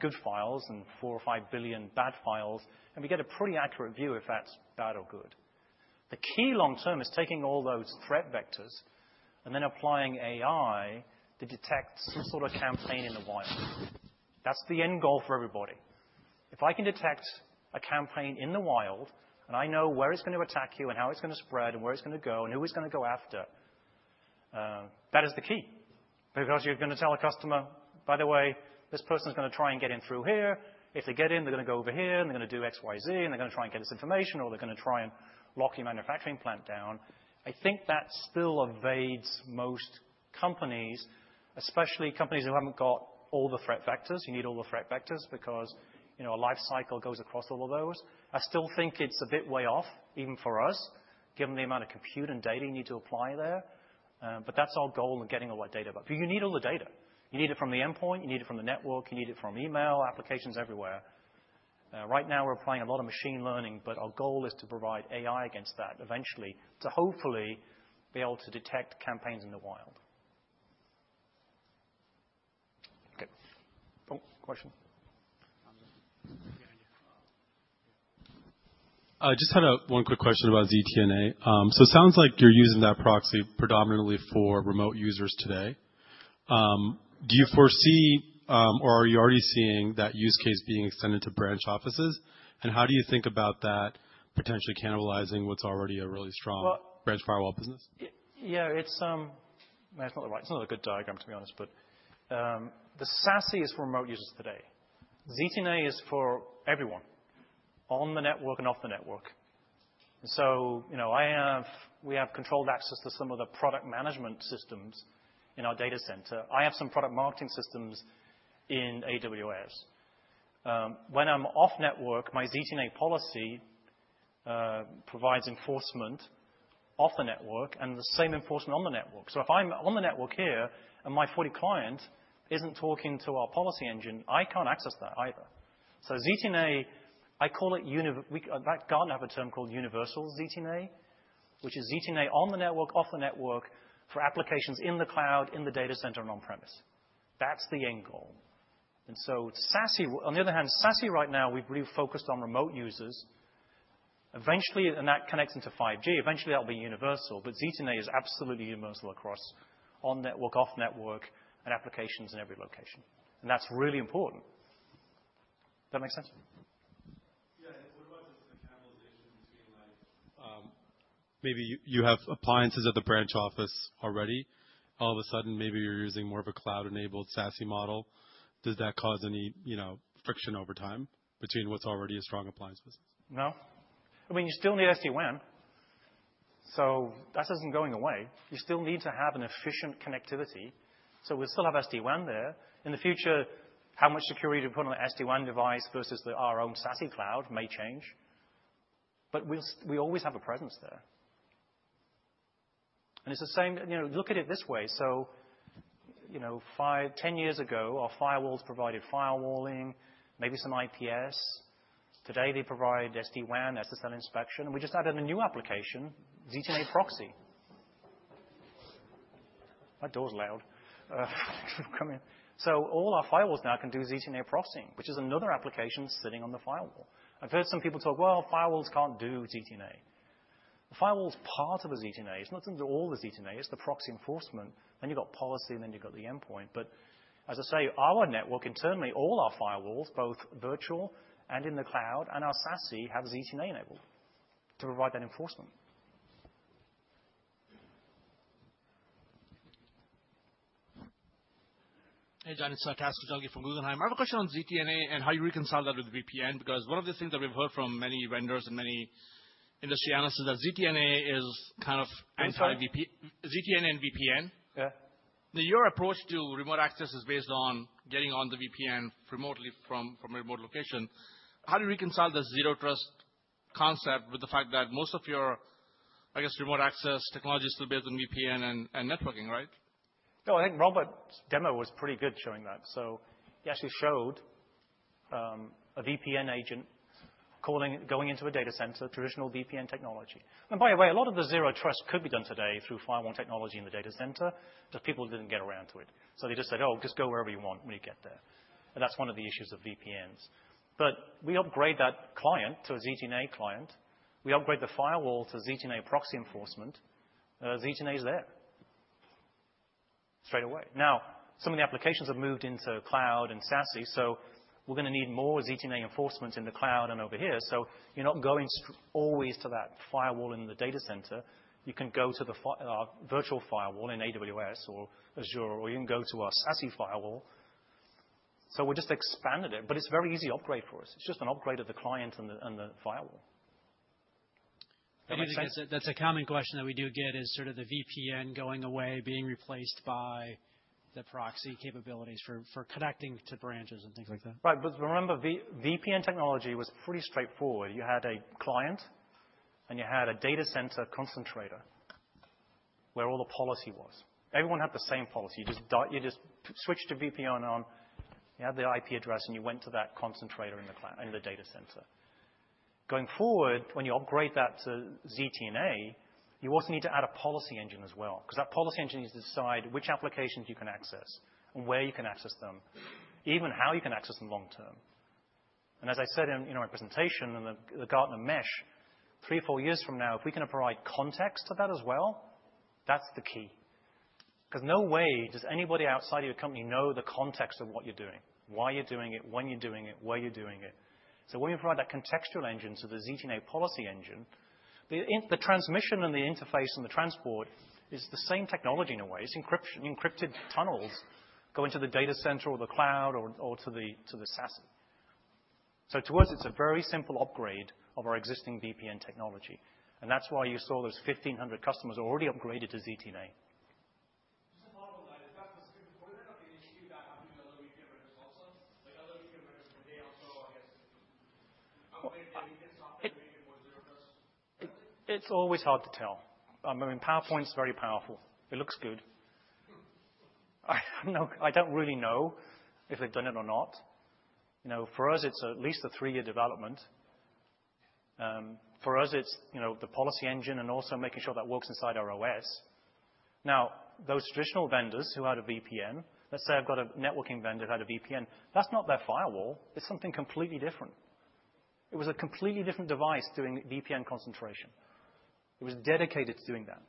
good files and four or five billion bad files, and we get a pretty accurate view if that's bad or good. The key long term is taking all those threat vectors and then applying AI to detect some sort of campaign in the wild. That's the end goal for everybody. If I can detect a campaign in the wild, and I know where it's gonna attack you and how it's gonna spread and where it's gonna go and who it's gonna go after, that is the key. Because you're gonna tell a customer, "By the way, this person is gonna try and get in through here. If they get in, they're gonna go over here and they're gonna do XYZ and they're gonna try and get this information, or they're gonna try and lock your manufacturing plant down." I think that still evades most companies, especially companies who haven't got all the threat vectors. You need all the threat vectors because, you know, a life cycle goes across all of those. I still think it's a bit way off, even for us, given the amount of compute and data you need to apply there. That's our goal in getting all that data. You need all the data. You need it from the endpoint, you need it from the network, you need it from email, applications everywhere. Right now we're applying a lot of machine learning, but our goal is to provide AI against that eventually, to hopefully be able to detect campaigns in the wild. Okay. Question. I just had one quick question about ZTNA. So it sounds like you're using that proxy predominantly for remote users today. Do you foresee, or are you already seeing that use case being extended to branch offices? How do you think about that potentially cannibalizing what's already a really strong. Well. Branch firewall business? It's not a good diagram, to be honest, but the SASE is for remote users today. ZTNA is for everyone on the network and off the network. You know, we have controlled access to some of the product management systems in our data center. I have some product marketing systems in AWS. When I'm off network, my ZTNA policy provides enforcement off the network and the same enforcement on the network. If I'm on the network here and my FortiClient isn't talking to our policy engine, I can't access that either. ZTNA, Gartner term called universal ZTNA, which is ZTNA on the network, off the network for applications in the cloud, in the data center and on premise. That's the end goal. SASE. On the other hand, SASE right now, we've really focused on remote users. Eventually, that connects into 5G. Eventually that'll be universal. ZTNA is absolutely universal across on network, off network, and applications in every location. That's really important. That make sense? Yeah. What about just the cannibalization between, like, maybe you have appliances at the branch office already. All of a sudden, maybe you're using more of a cloud-enabled SASE model. Does that cause any, you know, friction over time between what's already a strong appliance business? No. I mean, you still need SD-WAN, so that isn't going away. You still need to have an efficient connectivity. We still have SD-WAN there. In the future, how much security to put on an SD-WAN device versus our own SASE cloud may change, but we'll always have a presence there. It's the same, you know, look at it this way. You know, five, 10 years ago, our firewalls provided firewalling, maybe some IPS. Today, they provide SD-WAN, SSL inspection. We just added a new application, ZTNA proxy. All our firewalls now can do ZTNA proxy, which is another application sitting on the firewall. I've heard some people talk, "Well, firewalls can't do ZTNA." The firewall is part of a ZTNA. It's not going to do all the ZTNA, it's the proxy enforcement. You've got policy, and then you've got the endpoint. As I say, our network internally, all our firewalls, both virtual and in the cloud and our SASE, have a ZTNA enabled to provide that enforcement. Hey, John. It's Taz Koujalgi from Guggenheim. I have a question on ZTNA and how you reconcile that with VPN, because one of the things that we've heard from many vendors and many industry analysts is that ZTNA is kind of anti-VP- I'm sorry? ZTNA and VPN. Yeah. Now your approach to remote access is based on getting on the VPN remotely from a remote location. How do you reconcile the zero trust concept with the fact that most of your, I guess, remote access technologies still based on VPN and networking, right? No, I think Robert's demo was pretty good showing that. He actually showed a VPN agent going into a data center, traditional VPN technology. By the way, a lot of the zero trust could be done today through firewall technology in the data center, but people didn't get around to it. They just said, "Oh, just go wherever you want when you get there." That's one of the issues of VPNs. We upgrade that client to a ZTNA client. We upgrade the firewall to ZTNA proxy enforcement. ZTNA is there straight away. Now, some of the applications have moved into cloud and SASE, so we're gonna need more ZTNA enforcement in the cloud and over here. You're not going always to that firewall in the data center. You can go to the virtual firewall in AWS or Azure, or you can go to our SASE firewall. We just expanded it, but it's very easy upgrade for us. It's just an upgrade of the client and the firewall. Does that make sense? That's a common question that we do get, is sort of the VPN going away, being replaced by the proxy capabilities for connecting to branches and things like that. Right. Remember, VPN technology was pretty straightforward. You had a client, and you had a data center concentrator, where all the policy was. Everyone had the same policy. You just switch to VPN on, you had the IP address, and you went to that concentrator in the data center. Going forward, when you upgrade that to ZTNA, you also need to add a policy engine as well, 'cause that policy engine needs to decide which applications you can access and where you can access them, even how you can access them long term. As I said in, you know, my presentation, in the Gartner mesh, three, four years from now, if we can provide context to that as well, that's the key. 'Cause no way does anybody outside of your company know the context of what you're doing, why you're doing it, when you're doing it, where you're doing it. When you provide that contextual engine to the ZTNA policy engine, the transmission and the interface and the transport is the same technology in a way. It's encryption, encrypted tunnels going to the data center or the cloud or to the SaaS. To us, it's a very simple upgrade of our existing VPN technology, and that's why you saw those 1,500 customers already upgraded to ZTNA. Just to follow up on that, is that the specific point or not the issue that other VPN vendors also? Like other VPN vendors, can they also, I guess, upgrade their software to make it more zero trust? It's always hard to tell. I mean, PowerPoint's very powerful. It looks good. I don't really know if they've done it or not. You know, for us, it's at least a three-year development. For us, it's, you know, the policy engine and also making sure that works inside our OS. Now, those traditional vendors who had a VPN, let's say I've got a networking vendor who had a VPN, that's not their firewall, it's something completely different. It was a completely different device doing VPN concentration. It was dedicated to doing that.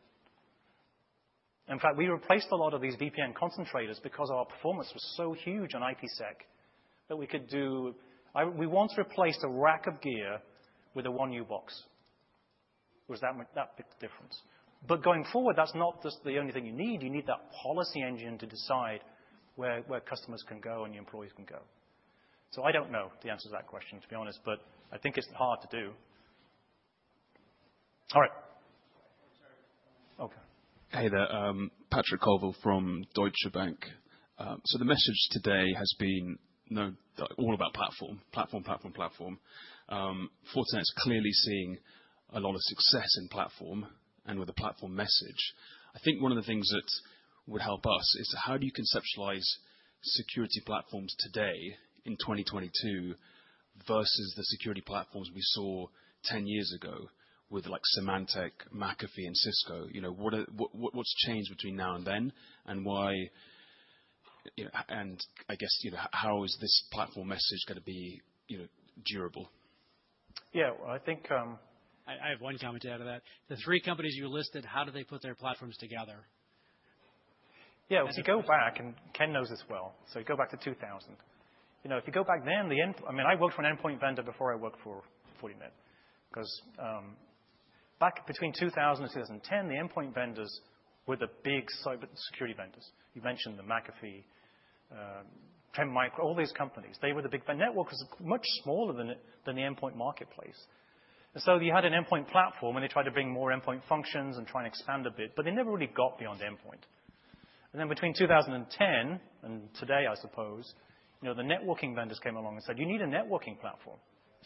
In fact, we replaced a lot of these VPN concentrators because our performance was so huge on IPsec that we once replaced a rack of gear with a 1U box. That was a big difference. Going forward, that's not just the only thing you need. You need that policy engine to decide where customers can go and your employees can go. I don't know the answer to that question, to be honest, but I think it's hard to do. All right. Sorry. Okay. Hey there. Patrick Colville from Deutsche Bank. The message today has been, you know, all about platform. Platform, platform. Fortinet's clearly seeing a lot of success in platform and with the platform message. I think one of the things that would help us is how do you conceptualize security platforms today in 2022 versus the security platforms we saw 10 years ago with, like, Symantec, McAfee, and Cisco? You know, what's changed between now and then, and why and I guess how is this platform message gonna be, you know, durable? Yeah. Well, I think, I have one comment to add to that. The three companies you listed, how do they put their platforms together? Yeah. If you go back, and Ken knows this well, so you go back to 2000. You know, if you go back then, I mean, I worked for an endpoint vendor before I worked for Fortinet cause, back between 2000 and 2010, the endpoint vendors were the big cybersecurity vendors. You mentioned McAfee, Trend Micro, all these companies, they were the big. But network was much smaller than the endpoint marketplace. So you had an endpoint platform, and they tried to bring more endpoint functions and try and expand a bit, but they never really got beyond the endpoint. Between 2010 and today, I suppose, you know, the networking vendors came along and said, "You need a networking platform."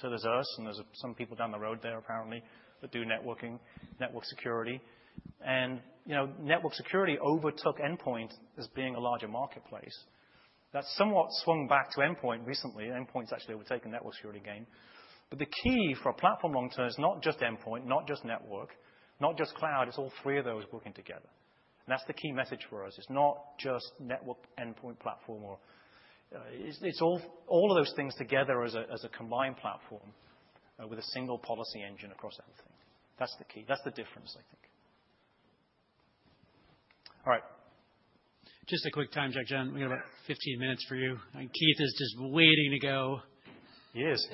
There's us, and there's some people down the road there apparently that do networking, network security. You know, network security overtook endpoint as being a larger marketplace. That's somewhat swung back to endpoint recently. Endpoint's actually overtaken network security again. The key for a platform long-term is not just endpoint, not just network, not just cloud, it's all three of those working together. That's the key message for us. It's not just network, endpoint, platform. It's all of those things together as a combined platform with a single policy engine across everything. That's the key. That's the difference, I think. All right. Just a quick time check, John. We got about 15 minutes for you, and Keith is just waiting to go. He is.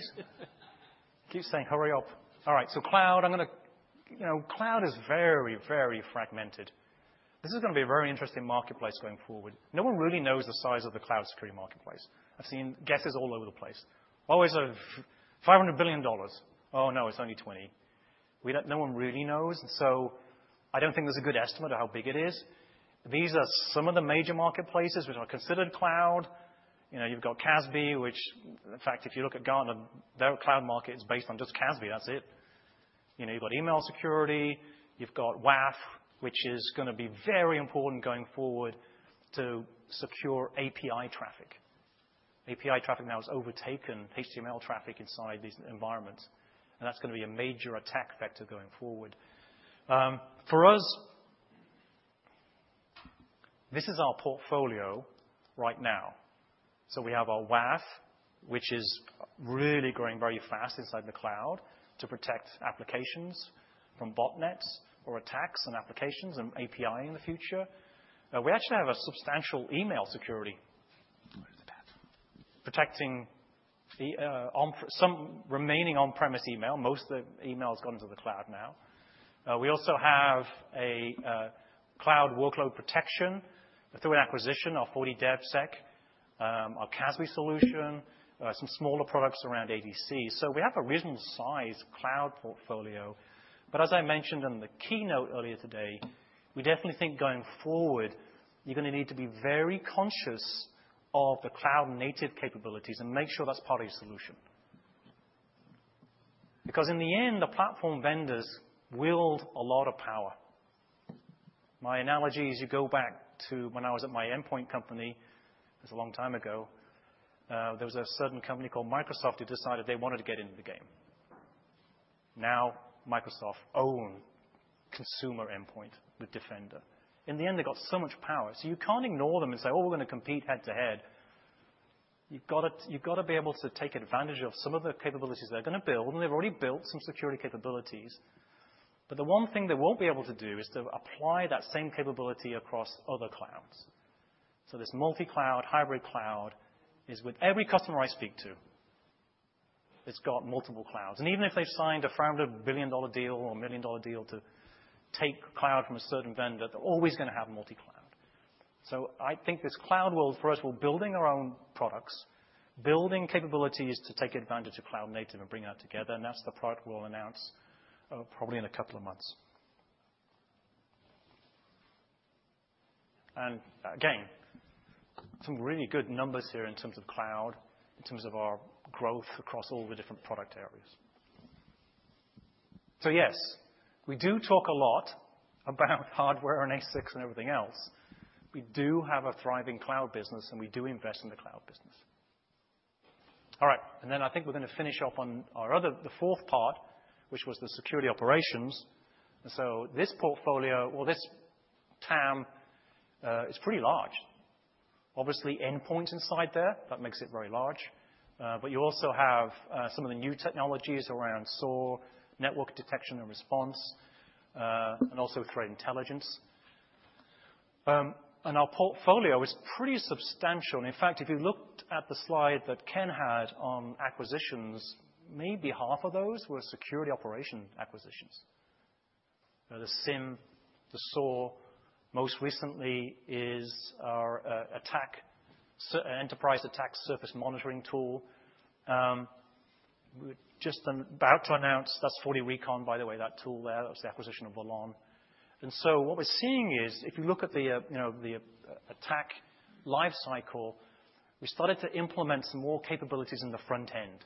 Keeps saying, "Hurry up." All right. Cloud, you know, cloud is very, very fragmented. This is gonna be a very interesting marketplace going forward. No one really knows the size of the cloud security marketplace. I've seen guesses all over the place. Always, $500 billion. Oh no, it's only $20 billion. No one really knows, and so I don't think there's a good estimate of how big it is. These are some of the major marketplaces which are considered cloud. You know, you've got CASB, which in fact if you look at Gartner, their cloud market is based on just CASB, that's it. You know, you've got email security, you've got WAF, which is gonna be very important going forward to secure API traffic. API traffic now has overtaken HTML traffic inside these environments, and that's gonna be a major attack vector going forward. For us, this is our portfolio right now. We have our WAF, which is really growing very fast inside the cloud to protect applications from botnets or attacks on applications and API in the future. We actually have a substantial email security- Where is it at? Protecting some remaining on-premise email. Most of the email's gone to the cloud now. We also have a cloud workload protection through an acquisition, our FortiDevSec, our CASB solution, some smaller products around ADC. We have a reasonable size cloud portfolio, but as I mentioned in the keynote earlier today, we definitely think going forward, you're gonna need to be very conscious of the cloud-native capabilities and make sure that's part of your solution. Because in the end, the platform vendors wield a lot of power. My analogy is you go back to when I was at my endpoint company, it was a long time ago, there was a certain company called Microsoft who decided they wanted to get into the game. Now, Microsoft own consumer endpoint with Defender. In the end, they got so much power, so you can't ignore them and say, "Oh, we're gonna compete head-to-head." You've gotta be able to take advantage of some of the capabilities they're gonna build, and they've already built some security capabilities. The one thing they won't be able to do is to apply that same capability across other clouds. This multi-cloud, hybrid cloud is with every customer I speak to, it's got multiple clouds. Even if they've signed a $1 billion deal or a $1 million deal to take cloud from a certain vendor, they're always gonna have multi-cloud. I think this cloud world, first we're building our own products, building capabilities to take advantage of cloud native and bring that together, and that's the product we'll announce, probably in a couple of months. Again, some really good numbers here in terms of cloud, in terms of our growth across all the different product areas. Yes, we do talk a lot about hardware and ASICS and everything else. We do have a thriving cloud business, and we do invest in the cloud business. All right. I think we're gonna finish up on the fourth part, which was the security operations. This portfolio or this TAM is pretty large. Obviously, endpoint inside there, that makes it very large. But you also have some of the new technologies around SOAR, network detection and response, and also threat intelligence. Our portfolio is pretty substantial. In fact, if you looked at the slide that Ken had on acquisitions, maybe half of those were security operation acquisitions. The SIEM, the SOAR, most recently is our enterprise attack surface monitoring tool. We're just about to announce that's FortiRecon, by the way, that tool there. That was the acquisition of Vallon. What we're seeing is, if you look at the, you know, the attack life cycle, we started to implement some more capabilities in the front end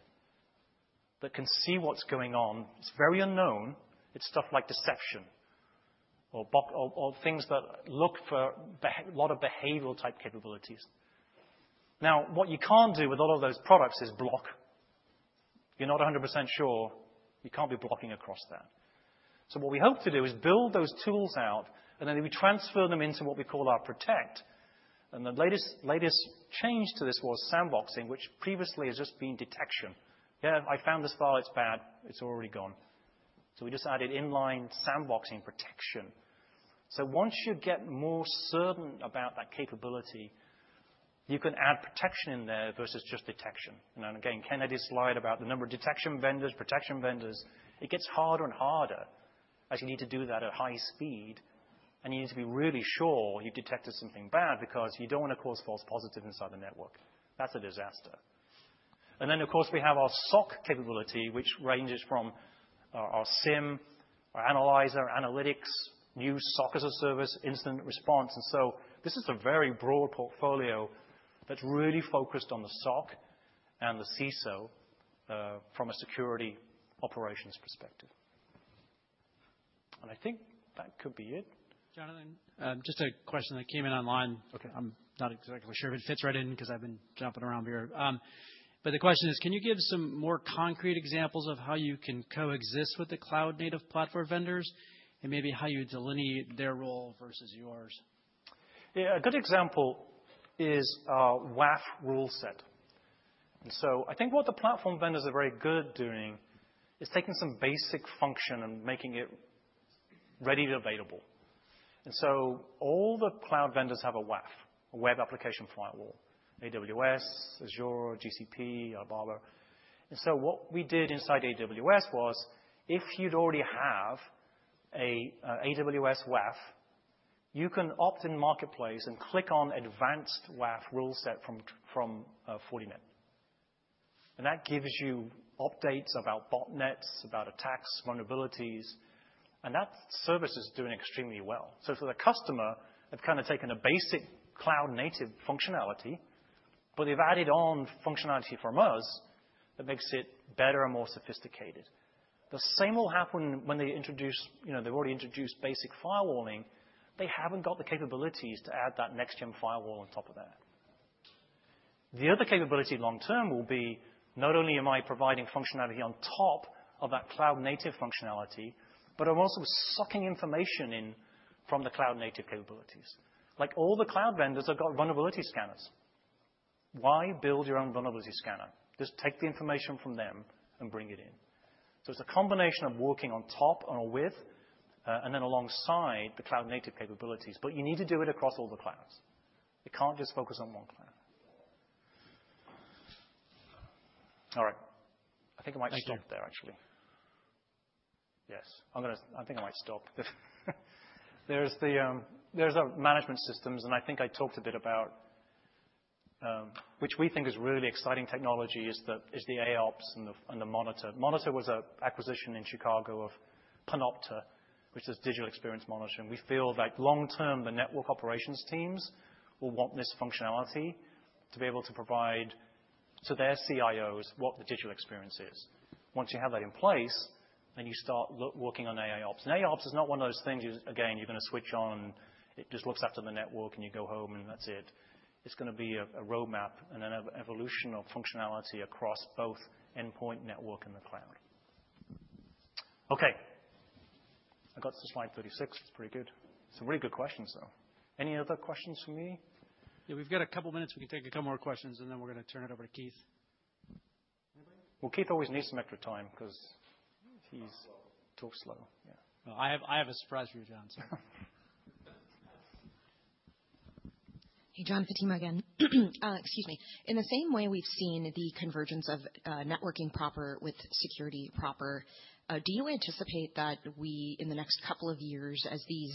that can see what's going on. It's very unknown. It's stuff like deception or bots or things that look for a lot of behavioral type capabilities. Now, what you can't do with all of those products is block. You're not 100% sure, you can't be blocking across that. What we hope to do is build those tools out, and then we transfer them into what we call our protect. The latest change to this was sandboxing, which previously has just been detection. Yeah, I found this file, it's bad, it's already gone. We just added inline sandboxing protection. Once you get more certain about that capability, you can add protection in there versus just detection. You know, and again, Ken had his slide about the number of detection vendors, protection vendors. It gets harder and harder as you need to do that at high speed, and you need to be really sure you detected something bad because you don't wanna cause false positive inside the network. That's a disaster. Of course, we have our SOC capability, which ranges from our SIEM, our analyzer, analytics, new SOC as a service, incident response. This is a very broad portfolio that's really focused on the SOC and the CISO from a security operations perspective. I think that could be it. Jonathan, just a question that came in online. Okay. I'm not exactly sure if it fits right in 'cause I've been jumping around here. The question is, can you give some more concrete examples of how you can coexist with the cloud-native platform vendors and maybe how you delineate their role versus yours? Yeah, a good example is our WAF rule set. I think what the platform vendors are very good at doing is taking some basic function and making it ready and available. All the cloud vendors have a WAF, a web application firewall, AWS, Azure, GCP, Alibaba. What we did inside AWS was if you'd already have a AWS WAF, you can opt in Marketplace and click on Advanced WAF rule set from Fortinet. That gives you updates about botnets, about attacks, vulnerabilities, and that service is doing extremely well. For the customer, they've kinda taken a basic cloud native functionality, but they've added on functionality from us that makes it better and more sophisticated. The same will happen when they introduce, you know, they've already introduced basic firewalling. They haven't got the capabilities to add that next-gen firewall on top of that. The other capability long term will be not only am I providing functionality on top of that cloud native functionality, but I'm also sucking information in from the cloud native capabilities. Like all the cloud vendors have got vulnerability scanners. Why build your own vulnerability scanner? Just take the information from them and bring it in. It's a combination of working on top or with, and then alongside the cloud native capabilities, but you need to do it across all the clouds. You can't just focus on one cloud. All right. I think I might stop there actually. Thank you. Yes. I'm gonna. I think I might stop. There's our management systems, and I think I talked a bit about which we think is really exciting technology is the AIOps and the Monitor. Monitor was an acquisition in Chicago of Panopta, which is digital experience monitoring. We feel like long term, the network operations teams will want this functionality to be able to provide so their CIO knows what the digital experience is. Once you have that in place, you start working on AIOps. AIOps is not one of those things you just, again, you're gonna switch on, it just looks after the network, and you go home, and that's it. It's gonna be a roadmap and an evolution of functionality across both endpoint network and the cloud. Okay. I got to slide 36. That's pretty good. Some really good questions, though. Any other questions for me? Yeah, we've got a couple minutes. We can take a couple more questions, and then we're gonna turn it over to Keith. Well, Keith always needs some extra time 'cause he's- He talks slow. Talks slow. Yeah. No, I have a surprise for you, John, so. Hey, John. Fatima again. Excuse me. In the same way we've seen the convergence of networking proper with security proper, do you anticipate that we, in the next couple of years as these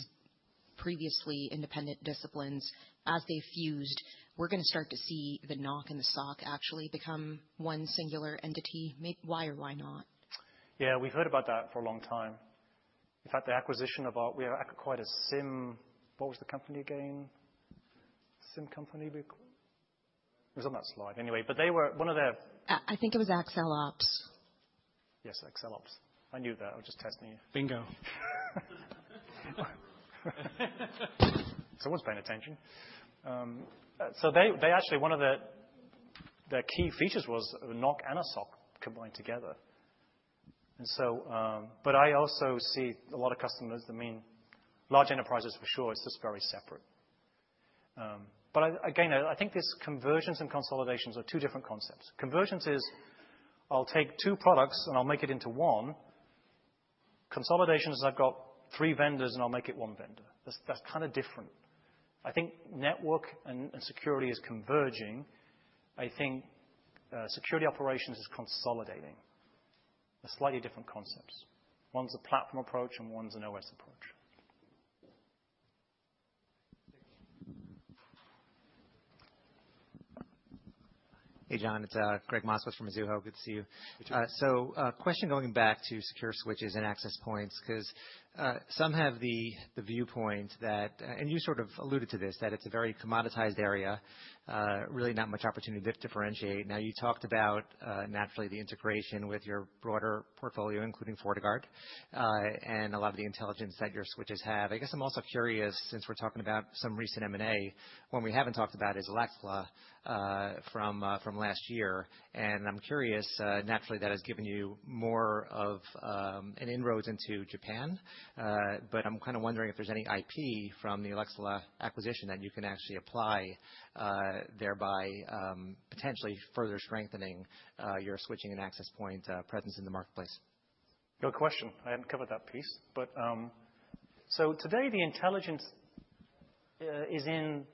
previously independent disciplines as they fused, we're gonna start to see the NOC and the SOC actually become one singular entity? Why or why not? Yeah, we heard about that for a long time. In fact, we acquired a SIEM company. What was the company again? It was on that slide. Anyway, but they were one of their. I think it was AccelOps. Yes, AccelOps. I knew that. I was just testing you. Bingo. Someone's paying attention. So they actually one of their key features was a NOC and a SOC combined together. I also see a lot of customers, I mean, large enterprises for sure, it's just very separate. I think this convergence and consolidations are two different concepts. Convergence is, I'll take two products, and I'll make it into one. Consolidation is, I've got three vendors, and I'll make it one vendor. That's kinda different. I think network and security is converging. I think security operations is consolidating. They're slightly different concepts. One's a platform approach, and one's an OS approach. Thank you. Hey, John. It's Gregg Moskowitz from Mizuho. Good to see you. You too. Question going back to secure switches and access points, 'cause some have the viewpoint that, and you sort of alluded to this, that it's a very commoditized area, really not much opportunity to differentiate. Now, you talked about naturally the integration with your broader portfolio, including FortiGuard, and a lot of the intelligence that your switches have. I guess I'm also curious, since we're talking about some recent M&A, one we haven't talked about is Alaxala, from last year, and I'm curious, naturally that has given you more of an inroads into Japan. I'm wondering if there's any IP from the Alaxala acquisition that you can actually apply, thereby potentially further strengthening your switching and access point presence in the marketplace. Good question. I hadn't covered that piece. Today, the intelligence is in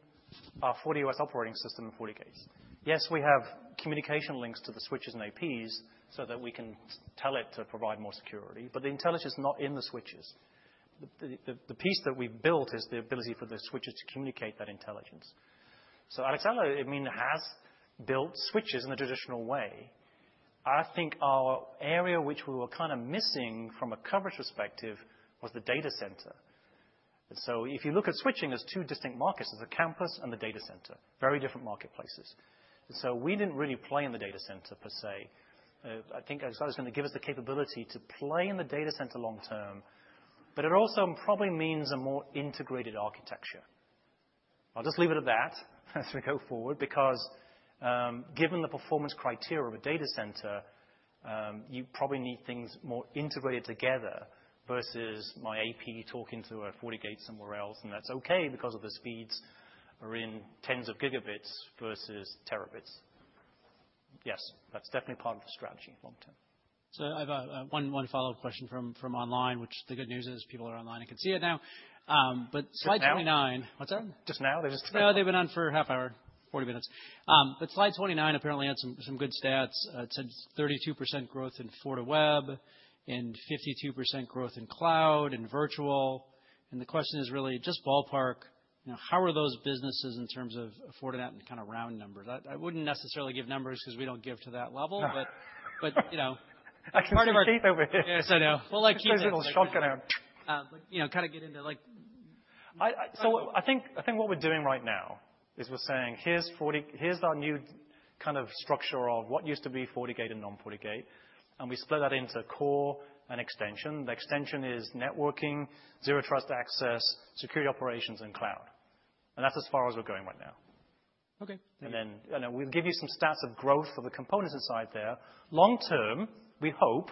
our FortiOS operating system and FortiGate. Yes, we have communication links to the switches and APs so that we can tell it to provide more security, but the intelligence is not in the switches. The piece that we've built is the ability for the switches to communicate that intelligence. Alaxala, I mean, has built switches in the traditional way. I think our area which we were kinda missing from a coverage perspective was the data center. If you look at switching, there's two distinct markets. There's the campus and the data center. Very different marketplaces. We didn't really play in the data center per se. I think Alaxala's gonna give us the capability to play in the data center long term, but it also probably means a more integrated architecture. I'll just leave it at that as we go forward because, given the performance criteria of a data center, you probably need things more integrated together versus my AP talking to a FortiGate somewhere else, and that's okay because the speeds are in tens of gigabits versus terabits. Yes, that's definitely part of the strategy long term. I've one follow-up question from online, which the good news is people are online and can see it now. Slide 29- Just now? What's that? Just now? No, they've been on for half hour, 40 minutes. Slide 29 apparently had some good stats. It said 32% growth in FortiWeb and 52% growth in cloud and virtual. The question is really just ballpark, you know, how are those businesses in terms of Fortinet and kinda round numbers? I wouldn't necessarily give numbers 'cause we don't give to that level. You know, part of our- I can see Keith over here. Yes, I know. We'll let Keith answer. He's getting a little shotgun arm. You know, kinda get into like. I think what we're doing right now is we're saying here's our new kind of structure of what used to be FortiGate and non-FortiGate, and we split that into core and extension. The extension is networking, zero trust access, security operations, and cloud. That's as far as we're going right now. Okay. We'll give you some stats of growth for the components inside there. Long term, we hope,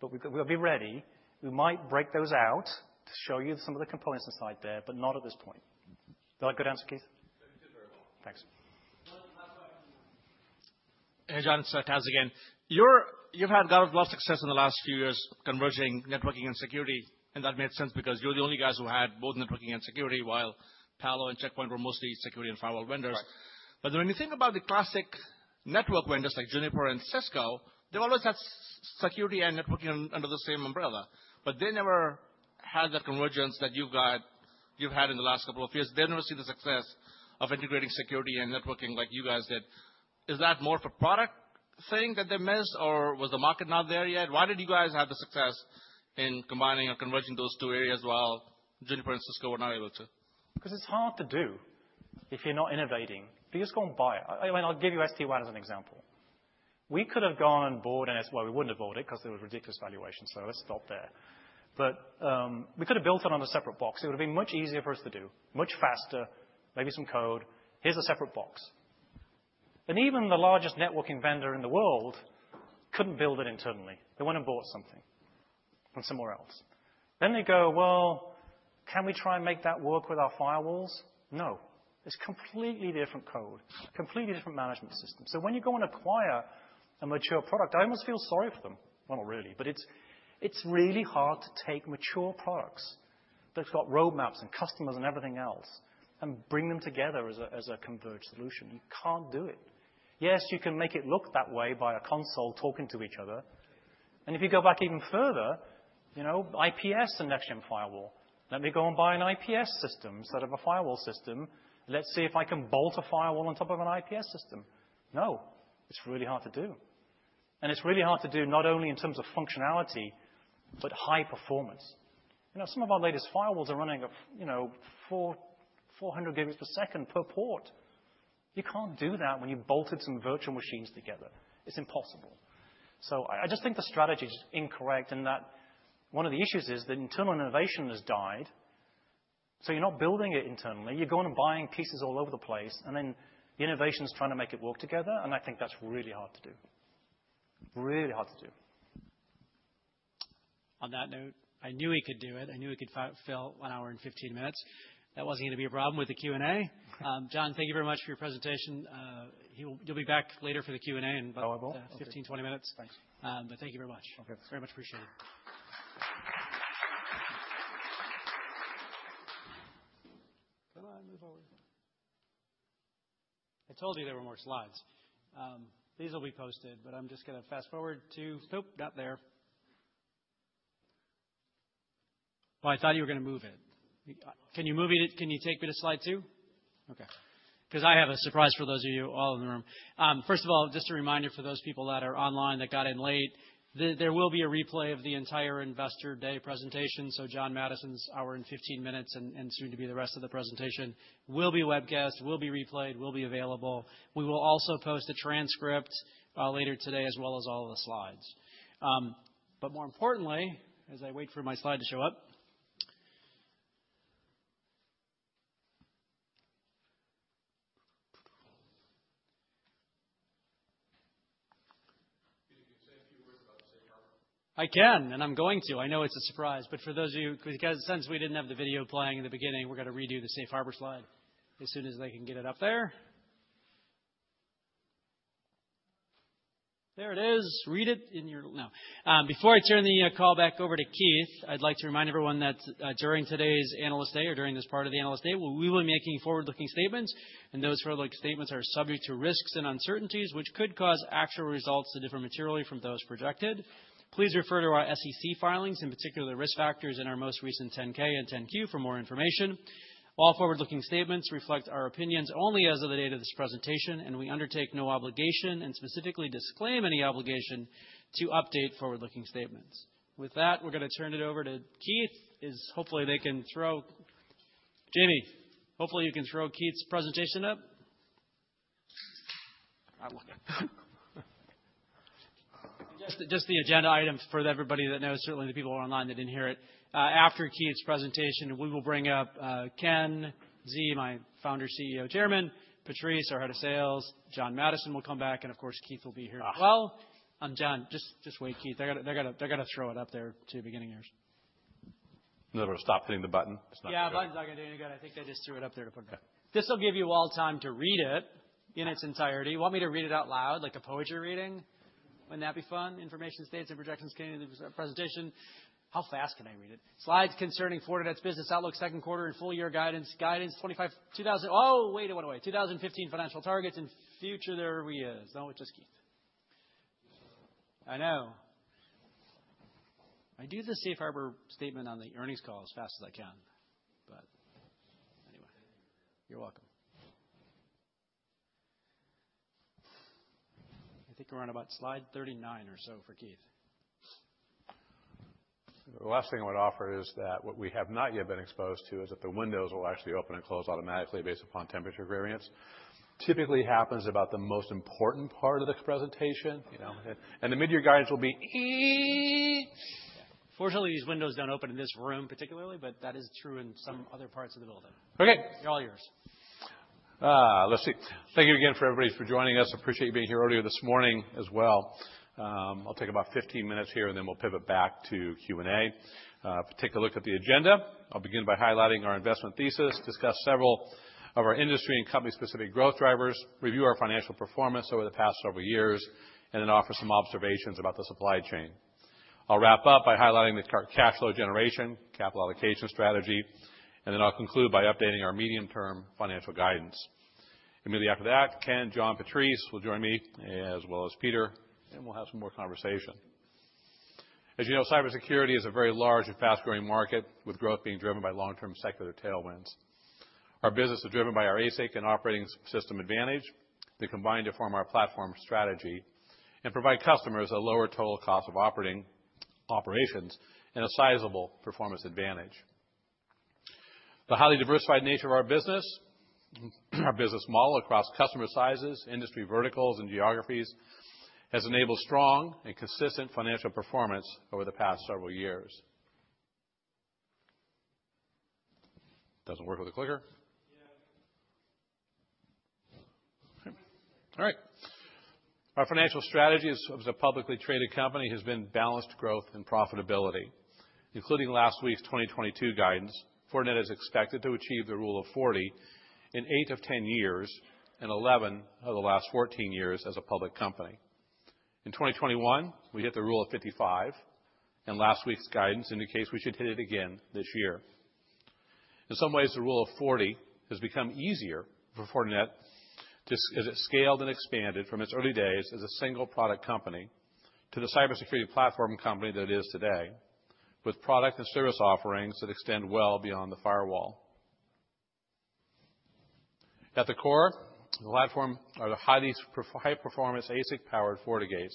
but we'll be ready, we might break those out to show you some of the components inside there, but not at this point. Is that a good answer, Keith? That's super. Thanks. Hey, John. It's Taz again. You've had a lot of success in the last few years converging networking and security, and that made sense because you're the only guys who had both networking and security while Palo Alto and Check Point were mostly security and firewall vendors. Right. When you think about the classic network vendors like Juniper and Cisco, they've always had security and networking under the same umbrella, but they never had the convergence that you've had in the last couple of years. They've never seen the success of integrating security and networking like you guys did. Is that more of a product thing that they missed, or was the market not there yet? Why did you guys have the success in combining or converging those two areas while Juniper and Cisco were not able to? Because it's hard to do if you're not innovating. Because go and buy it. I mean, I'll give you SD-WAN as an example. We could have gone and bought it. Well, we wouldn't have bought it because there was ridiculous valuation, so let's stop there. We could have built it on a separate box. It would have been much easier for us to do, much faster, maybe some code. Here's a separate box. Even the largest networking vendor in the world couldn't build it internally. They went and bought something from somewhere else. They go, "Well, can we try and make that work with our firewalls?" No. It's completely different code, completely different management system. When you go and acquire a mature product, I almost feel sorry for them. Well, not really, but it's really hard to take mature products that have got roadmaps and customers and everything else and bring them together as a converged solution. You can't do it. Yes, you can make it look that way by a console talking to each other. If you go back even further, you know, IPS and next-gen firewall. Let me go and buy an IPS system instead of a firewall system. Let's see if I can bolt a firewall on top of an IPS system. No, it's really hard to do. It's really hard to do not only in terms of functionality, but high performance. You know, some of our latest firewalls are running, you know, 400 Gbps per port. You can't do that when you've bolted some virtual machines together. It's impossible. I just think the strategy is incorrect and that one of the issues is that internal innovation has died, so you're not building it internally. You're going and buying pieces all over the place, and then the innovation is trying to make it work together, and I think that's really hard to do. Really hard to do. On that note, I knew he could do it. I knew he could fill 1 hour and 15 minutes. That wasn't gonna be a problem with the Q&A. John, thank you very much for your presentation. You'll be back later for the Q&A in about Oh, I will. 15-20 minutes. Thanks. Thank you very much. Okay. Very much appreciated. Come on, move forward. I told you there were more slides. These will be posted, but I'm just gonna fast-forward to. Nope, not there. Well, I thought you were gonna move it. Can you take me to slide two? Okay. Because I have a surprise for those of you all in the room. First of all, just a reminder for those people that are online that got in late, there will be a replay of the entire Investor Day presentation, so John Maddison's 1 hour and 15 minutes and soon to be the rest of the presentation will be webcast, will be replayed, will be available. We will also post a transcript later today, as well as all of the slides. But more importantly, as I wait for my slide to show up. Peter, you can say a few words about Safe Harbor. I can, and I'm going to. I know it's a surprise, but for those of you, because since we didn't have the video playing in the beginning, we're gonna redo the Safe Harbor slide as soon as they can get it up there. There it is. Before I turn the call back over to Keith, I'd like to remind everyone that during today's Analyst Day or during this part of the Analyst Day, we will be making forward-looking statements, and those forward-looking statements are subject to risks and uncertainties, which could cause actual results to differ materially from those projected. Please refer to our SEC filings, in particular risk factors in our most recent 10-K and 10-Q for more information. All forward-looking statements reflect our opinions only as of the date of this presentation, and we undertake no obligation and specifically disclaim any obligation to update forward-looking statements. With that, we're gonna turn it over to Keith, as hopefully they can throw it up. Jamie, hopefully, you can throw Keith's presentation up. That one. Just the agenda item for everybody that knows, certainly the people who are online that didn't hear it. After Keith's presentation, we will bring up Ken Xie, my founder, CEO, Chairman, Patrice, our Head of Sales, John Maddison will come back, and of course, Keith will be here as well. John, just wait, Keith. They gotta throw it up there to the beginning here. Never stop hitting the button. It's not gonna show. Yeah, button's not gonna do any good. I think they just threw it up there to put it up. Okay. This will give you all time to read it in its entirety. You want me to read it out loud like a poetry reading? Wouldn't that be fun? Information, statements, and projections contained in this presentation. How fast can I read it? Slides concerning Fortinet's business outlook, second quarter, and full year guidance, 2015 financial targets and future thereto. Now just Keith. I know. I do the Safe Harbor statement on the earnings call as fast as I can, but anyway. You're welcome. I think we're on about slide 39 or so for Keith. The last thing I would offer is that what we have not yet been exposed to is that the windows will actually open and close automatically based upon temperature variance. Typically happens about the most important part of the presentation, you know. The mid-year guidance will be. Fortunately, these windows don't open in this room particularly, but that is true in some other parts of the building. Okay. They're all yours. Let's see. Thank you again for everybody for joining us. Appreciate you being here earlier this morning as well. I'll take about 15 minutes here, and then we'll pivot back to Q&A. Take a look at the agenda. I'll begin by highlighting our investment thesis, discuss several of our industry and company specific growth drivers, review our financial performance over the past several years, and then offer some observations about the supply chain. I'll wrap up by highlighting the cash flow generation, capital allocation strategy, and then I'll conclude by updating our medium-term financial guidance. Immediately after that, Ken, John, Patrice will join me as well as Peter, and we'll have some more conversation. As you know, cybersecurity is a very large and fast-growing market, with growth being driven by long-term secular tailwinds. Our business is driven by our ASIC and operating system advantage that combine to form our platform strategy and provide customers a lower total cost of operating. Operations and a sizable performance advantage. The highly diversified nature of our business, our business model across customer sizes, industry verticals, and geographies has enabled strong and consistent financial performance over the past several years. Doesn't work with the clicker? Yeah. All right. Our financial strategy as a publicly traded company has been balanced growth and profitability, including last week's 2022 guidance. Fortinet is expected to achieve the rule of 40 in eight of 10 years and 11 of the last 14 years as a public company. In 2021, we hit the rule of 55, and last week's guidance indicates we should hit it again this year. In some ways, the rule of 40 has become easier for Fortinet to as it scaled and expanded from its early days as a single product company to the cybersecurity platform company that it is today, with product and service offerings that extend well beyond the firewall. At the core of the platform are the high-performance ASIC-powered FortiGates,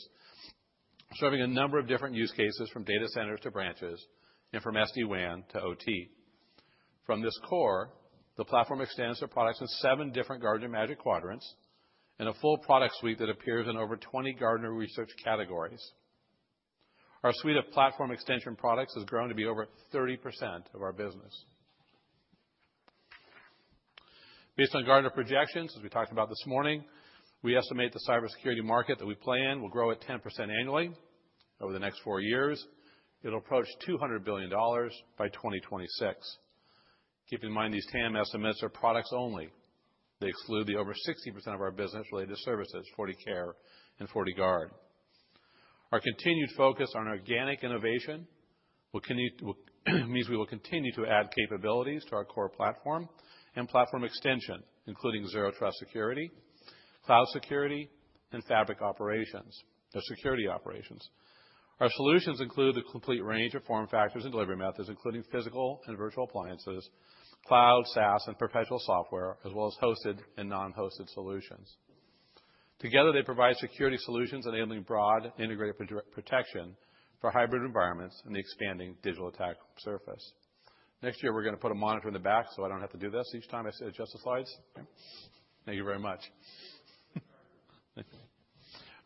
serving a number of different use cases from data centers to branches and from SD-WAN to OT. From this core, the platform extends to products in seven different Gartner Magic Quadrants and a full product suite that appears in over 20 Gartner research categories. Our suite of platform extension products has grown to be over 30% of our business. Based on Gartner projections, as we talked about this morning, we estimate the cybersecurity market that we play in will grow at 10% annually over the next four years. It'll approach $200 billion by 2026. Keep in mind these TAM estimates are products only. They exclude the over 60% of our business-related services, FortiCare and FortiGuard. Our continued focus on organic innovation will continue. Means we will continue to add capabilities to our core platform and platform extension, including zero trust security, cloud security, and fabric operations or security operations. Our solutions include a complete range of form factors and delivery methods, including physical and virtual appliances, cloud, SaaS, and perpetual software, as well as hosted and non-hosted solutions. Together, they provide security solutions enabling broad integrated protection for hybrid environments in the expanding digital attack surface. Next year, we're gonna put a monitor in the back, so I don't have to do this each time I say, "Adjust the slides." Thank you very much.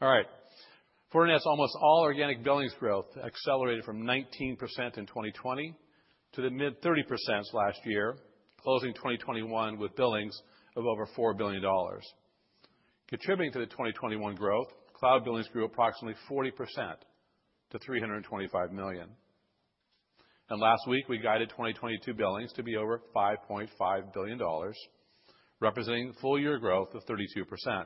All right. Fortinet's almost all organic billings growth accelerated from 19% in 2020 to the mid-30% last year, closing 2021 with billings of over $4 billion. Contributing to the 2021 growth, cloud billings grew approximately 40% to $325 million. Last week, we guided 2022 billings to be over $5.5 billion, representing full year growth of 32%.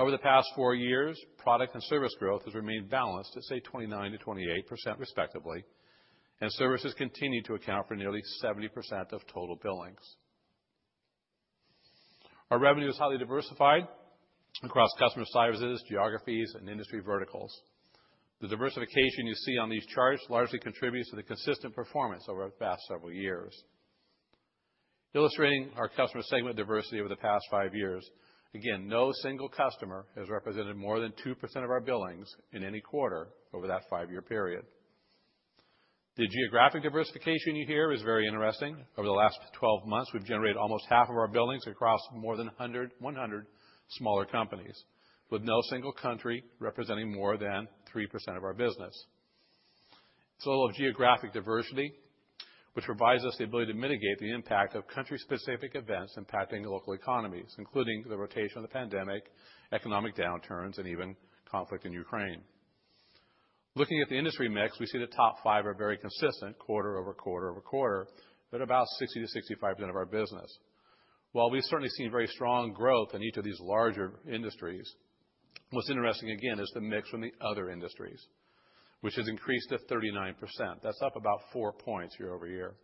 Over the past four years, product and service growth has remained balanced at say 29%-28% respectively, and services continue to account for nearly 70% of total billings. Our revenue is highly diversified across customer sizes, geographies, and industry verticals. The diversification you see on these charts largely contributes to the consistent performance over the past several years. Illustrating our customer segment diversity over the past five years, again, no single customer has represented more than 2% of our billings in any quarter over that five-year period. The geographic diversification you hear is very interesting. Over the last 12 months, we've generated almost half of our billings across more than 100 smaller companies, with no single country representing more than 3% of our business. It's all about geographic diversity, which provides us the ability to mitigate the impact of country-specific events impacting local economies, including the rotation of the pandemic, economic downturns, and even conflict in Ukraine. Looking at the industry mix, we see the top five are very consistent quarter over quarter over quarter at about 60%-65% of our business, while we've certainly seen very strong growth in each of these larger industries. What's interesting again is the mix from the other industries, which has increased to 39%. That's up about four points year-over-year.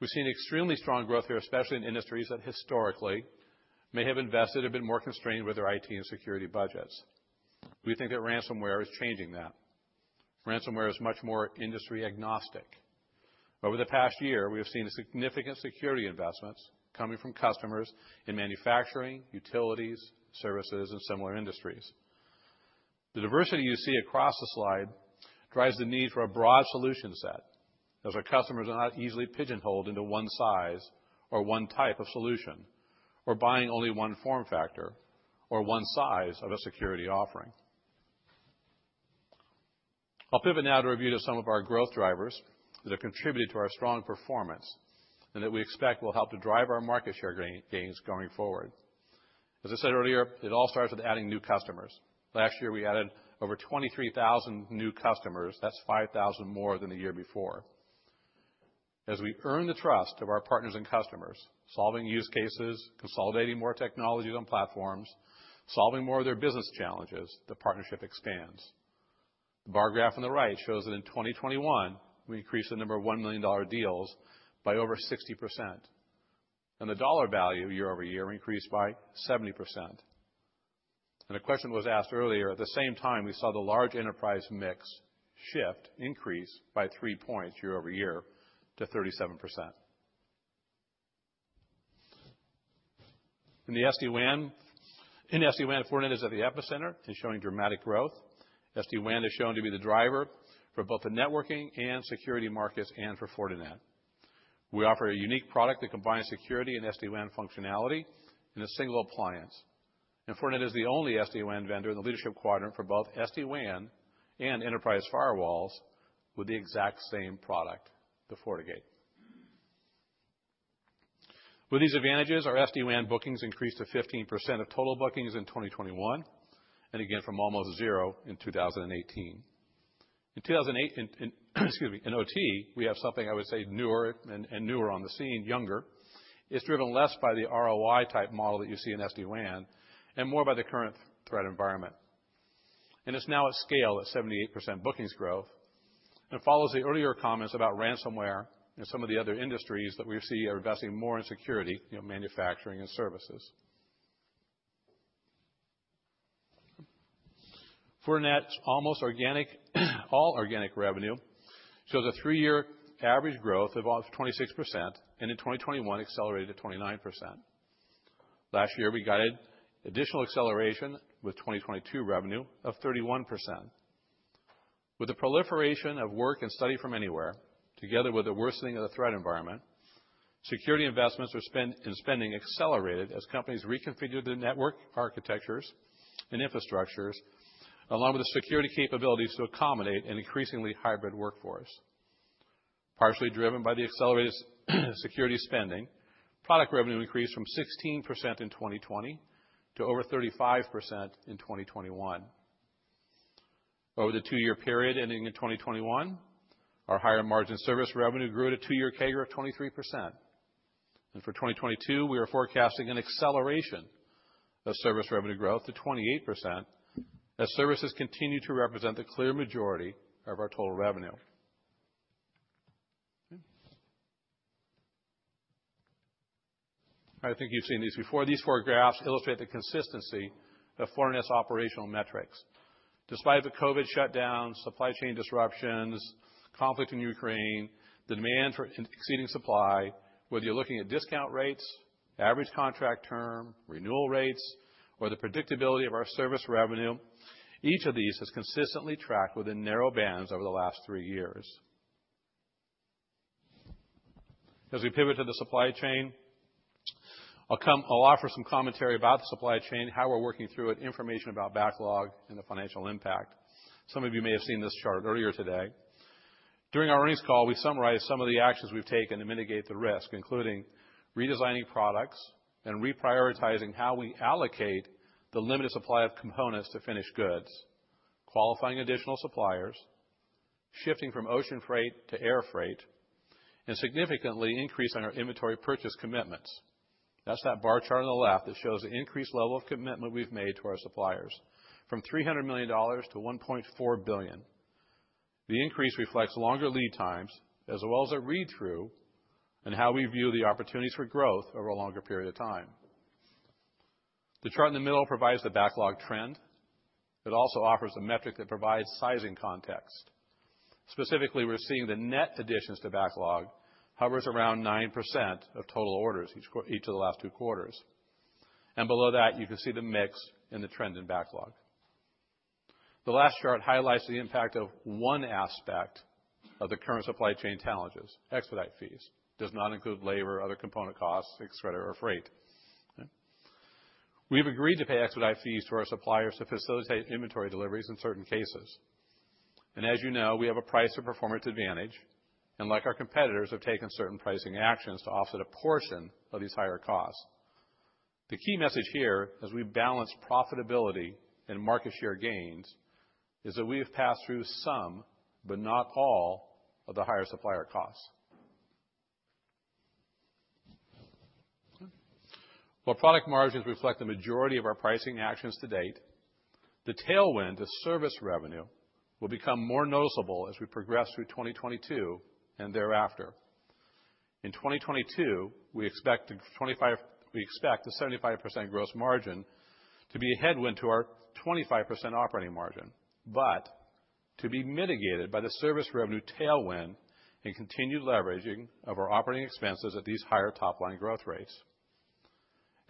We've seen extremely strong growth here, especially in industries that historically may have invested or been more constrained with their IT and security budgets. We think that ransomware is changing that. Ransomware is much more industry agnostic. Over the past year, we have seen significant security investments coming from customers in manufacturing, utilities, services, and similar industries. The diversity you see across the slide drives the need for a broad solution set, as our customers are not easily pigeonholed into one size or one type of solution, or buying only one form factor or one size of a security offering. I'll pivot now to review some of our growth drivers that have contributed to our strong performance and that we expect will help to drive our market share gains going forward. As I said earlier, it all starts with adding new customers. Last year, we added over 23,000 new customers. That's 5,000 more than the year before. As we earn the trust of our partners and customers, solving use cases, consolidating more technologies on platforms, solving more of their business challenges, the partnership expands. The bar graph on the right shows that in 2021, we increased the number of $1 million deals by over 60%, and the dollar value year-over-year increased by 70%. The question was asked earlier, at the same time, we saw the large enterprise mix shift increase by three points year-over-year to 37%. In the SD-WAN, Fortinet is at the epicenter and showing dramatic growth. SD-WAN has shown to be the driver for both the networking and security markets and for Fortinet. We offer a unique product that combines security and SD-WAN functionality in a single appliance. Fortinet is the only SD-WAN vendor in the leadership quadrant for both SD-WAN and enterprise firewalls with the exact same product, the FortiGate. With these advantages, our SD-WAN bookings increased to 15% total bookings in 2021, and again, from almost zero in 2018. In OT, we have something I would say newer and newer on the scene, younger. It's driven less by the ROI type model that you see in SD-WAN and more by the current threat environment. It's now at scale at 78% bookings growth. It follows the earlier comments about ransomware and some of the other industries that we see are investing more in security, you know, manufacturing and services. Fortinet's almost organic, all organic revenue shows a three-year average growth of about 26%, and in 2021 accelerated to 29%. Last year, we guided additional acceleration with 2022 revenue of 31%. With the proliferation of work and study from anywhere, together with the worsening of the threat environment, security investments and spending accelerated as companies reconfigured their network architectures and infrastructures, along with the security capabilities to accommodate an increasingly hybrid workforce. Partially driven by the accelerated security spending, product revenue increased from 16% in 2020 to over 35% in 2021. Over the two-year period ending in 2021, our higher margin service revenue grew at a two-year CAGR of 23%. For 2022, we are forecasting an acceleration of service revenue growth to 28% as services continue to represent the clear majority of our total revenue. I think you've seen these before. These four graphs illustrate the consistency of Fortinet's operational metrics. Despite the COVID shutdowns, supply chain disruptions, conflict in Ukraine, demand for exceeding supply, whether you're looking at discount rates, average contract term, renewal rates, or the predictability of our service revenue, each of these has consistently tracked within narrow bands over the last three years. As we pivot to the supply chain, I'll offer some commentary about the supply chain, how we're working through it, information about backlog and the financial impact. Some of you may have seen this chart earlier today. During our earnings call, we summarized some of the actions we've taken to mitigate the risk, including redesigning products and reprioritizing how we allocate the limited supply of components to finished goods, qualifying additional suppliers, shifting from ocean freight to air freight, and significantly increasing our inventory purchase commitments. That's that bar chart on the left that shows the increased level of commitment we've made to our suppliers from $300 million to $1.4 billion. The increase reflects longer lead times as well as a read-through on how we view the opportunities for growth over a longer period of time. The chart in the middle provides the backlog trend. It also offers a metric that provides sizing context. Specifically, we're seeing the net additions to backlog hovers around 9% of total orders each of the last two quarters. Below that, you can see the mix in the trend in backlog. The last chart highlights the impact of one aspect of the current supply chain challenges. Expedite fees does not include labor, other component costs, et cetera, or freight. We've agreed to pay expedite fees to our suppliers to facilitate inventory deliveries in certain cases. As you know, we have a price or performance advantage, and like our competitors, have taken certain pricing actions to offset a portion of these higher costs. The key message here, as we balance profitability and market share gains, is that we have passed through some, but not all, of the higher supplier costs. While product margins reflect the majority of our pricing actions to date, the tailwind to service revenue will become more noticeable as we progress through 2022 and thereafter. In 2022, we expect a 75% gross margin to be a headwind to our 25% operating margin, but to be mitigated by the service revenue tailwind and continued leveraging of our operating expenses at these higher top-line growth rates.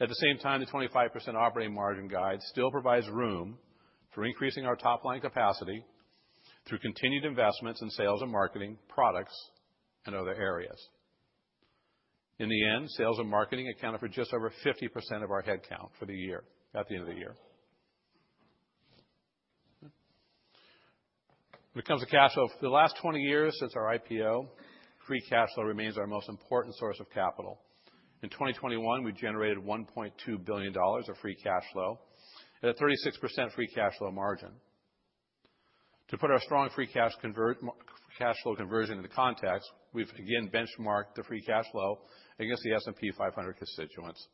At the same time, the 25% operating margin guide still provides room for increasing our top-line capacity through continued investments in sales and marketing products and other areas. In the end, sales and marketing accounted for just over 50% of our head count for the year, at the end of the year. When it comes to cash flow, for the last 20 years since our IPO, free cash flow remains our most important source of capital. In 2021, we generated $1.2 billion of free cash flow at a 36% free cash flow margin. To put our strong free cash flow conversion into context, we've again benchmarked the free cash flow against the S&P 500 constituents.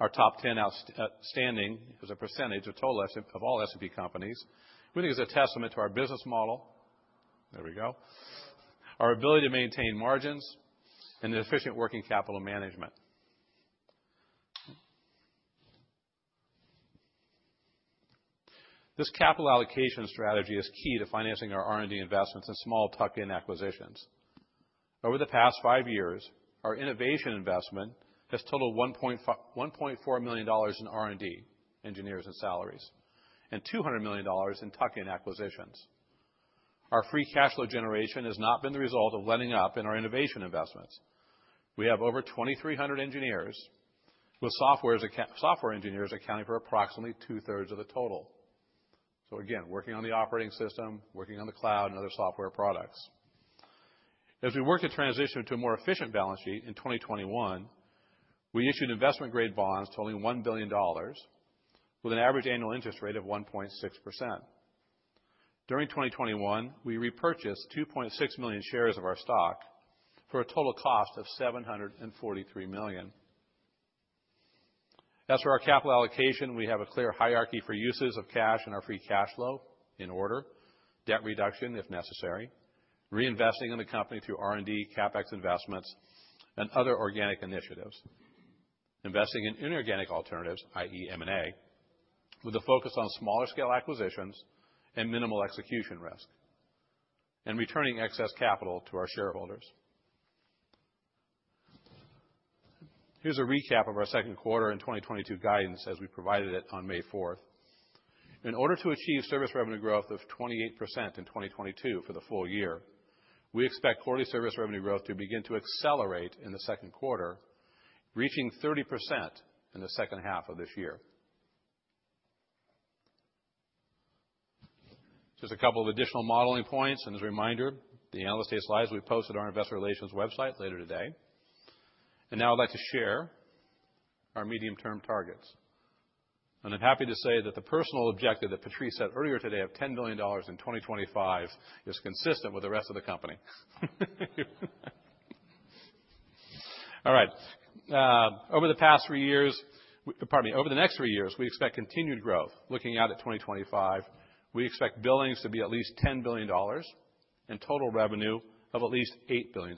Our top ten outstanding as a percentage of total S&P of all S&P companies really is a testament to our business model. There we go. Our ability to maintain margins and the efficient working capital management. This capital allocation strategy is key to financing our R&D investments in small tuck-in acquisitions. Over the past five years, our innovation investment has totaled $1.4 million in R&D, engineers and salaries, and $200 million in tuck-in acquisitions. Our free cash flow generation has not been the result of letting up in our innovation investments. We have over 2,300 engineers, with software engineers accounting for approximately two-thirds of the total. Again, working on the operating system, working on the cloud and other software products. As we work to transition to a more efficient balance sheet in 2021, we issued investment-grade bonds totaling $1 billion with an average annual interest rate of 1.6%. During 2021, we repurchased 2.6 million shares of our stock for a total cost of $743 million. As for our capital allocation, we have a clear hierarchy for uses of cash and our free cash flow in order, debt reduction if necessary, reinvesting in the company through R&D, CapEx investments and other organic initiatives, investing in inorganic alternatives, i.e., M&A, with a focus on smaller scale acquisitions and minimal execution risk, and returning excess capital to our shareholders. Here's a recap of our second quarter in 2022 guidance as we provided it on May 4th. In order to achieve service revenue growth of 28% in 2022 for the full year, we expect quarterly service revenue growth to begin to accelerate in the Q2, reaching 30% in the second half of this year. Just a couple of additional modeling points. As a reminder, the analyst day slides will be posted on our investor relations website later today. Now I'd like to share our medium-term targets. I'm happy to say that the personal objective that Patrice said earlier today of $10 billion in 2025 is consistent with the rest of the company. All right. Over the next three years, we expect continued growth. Looking out at 2025, we expect billings to be at least $10 billion and total revenue of at least $8 billion.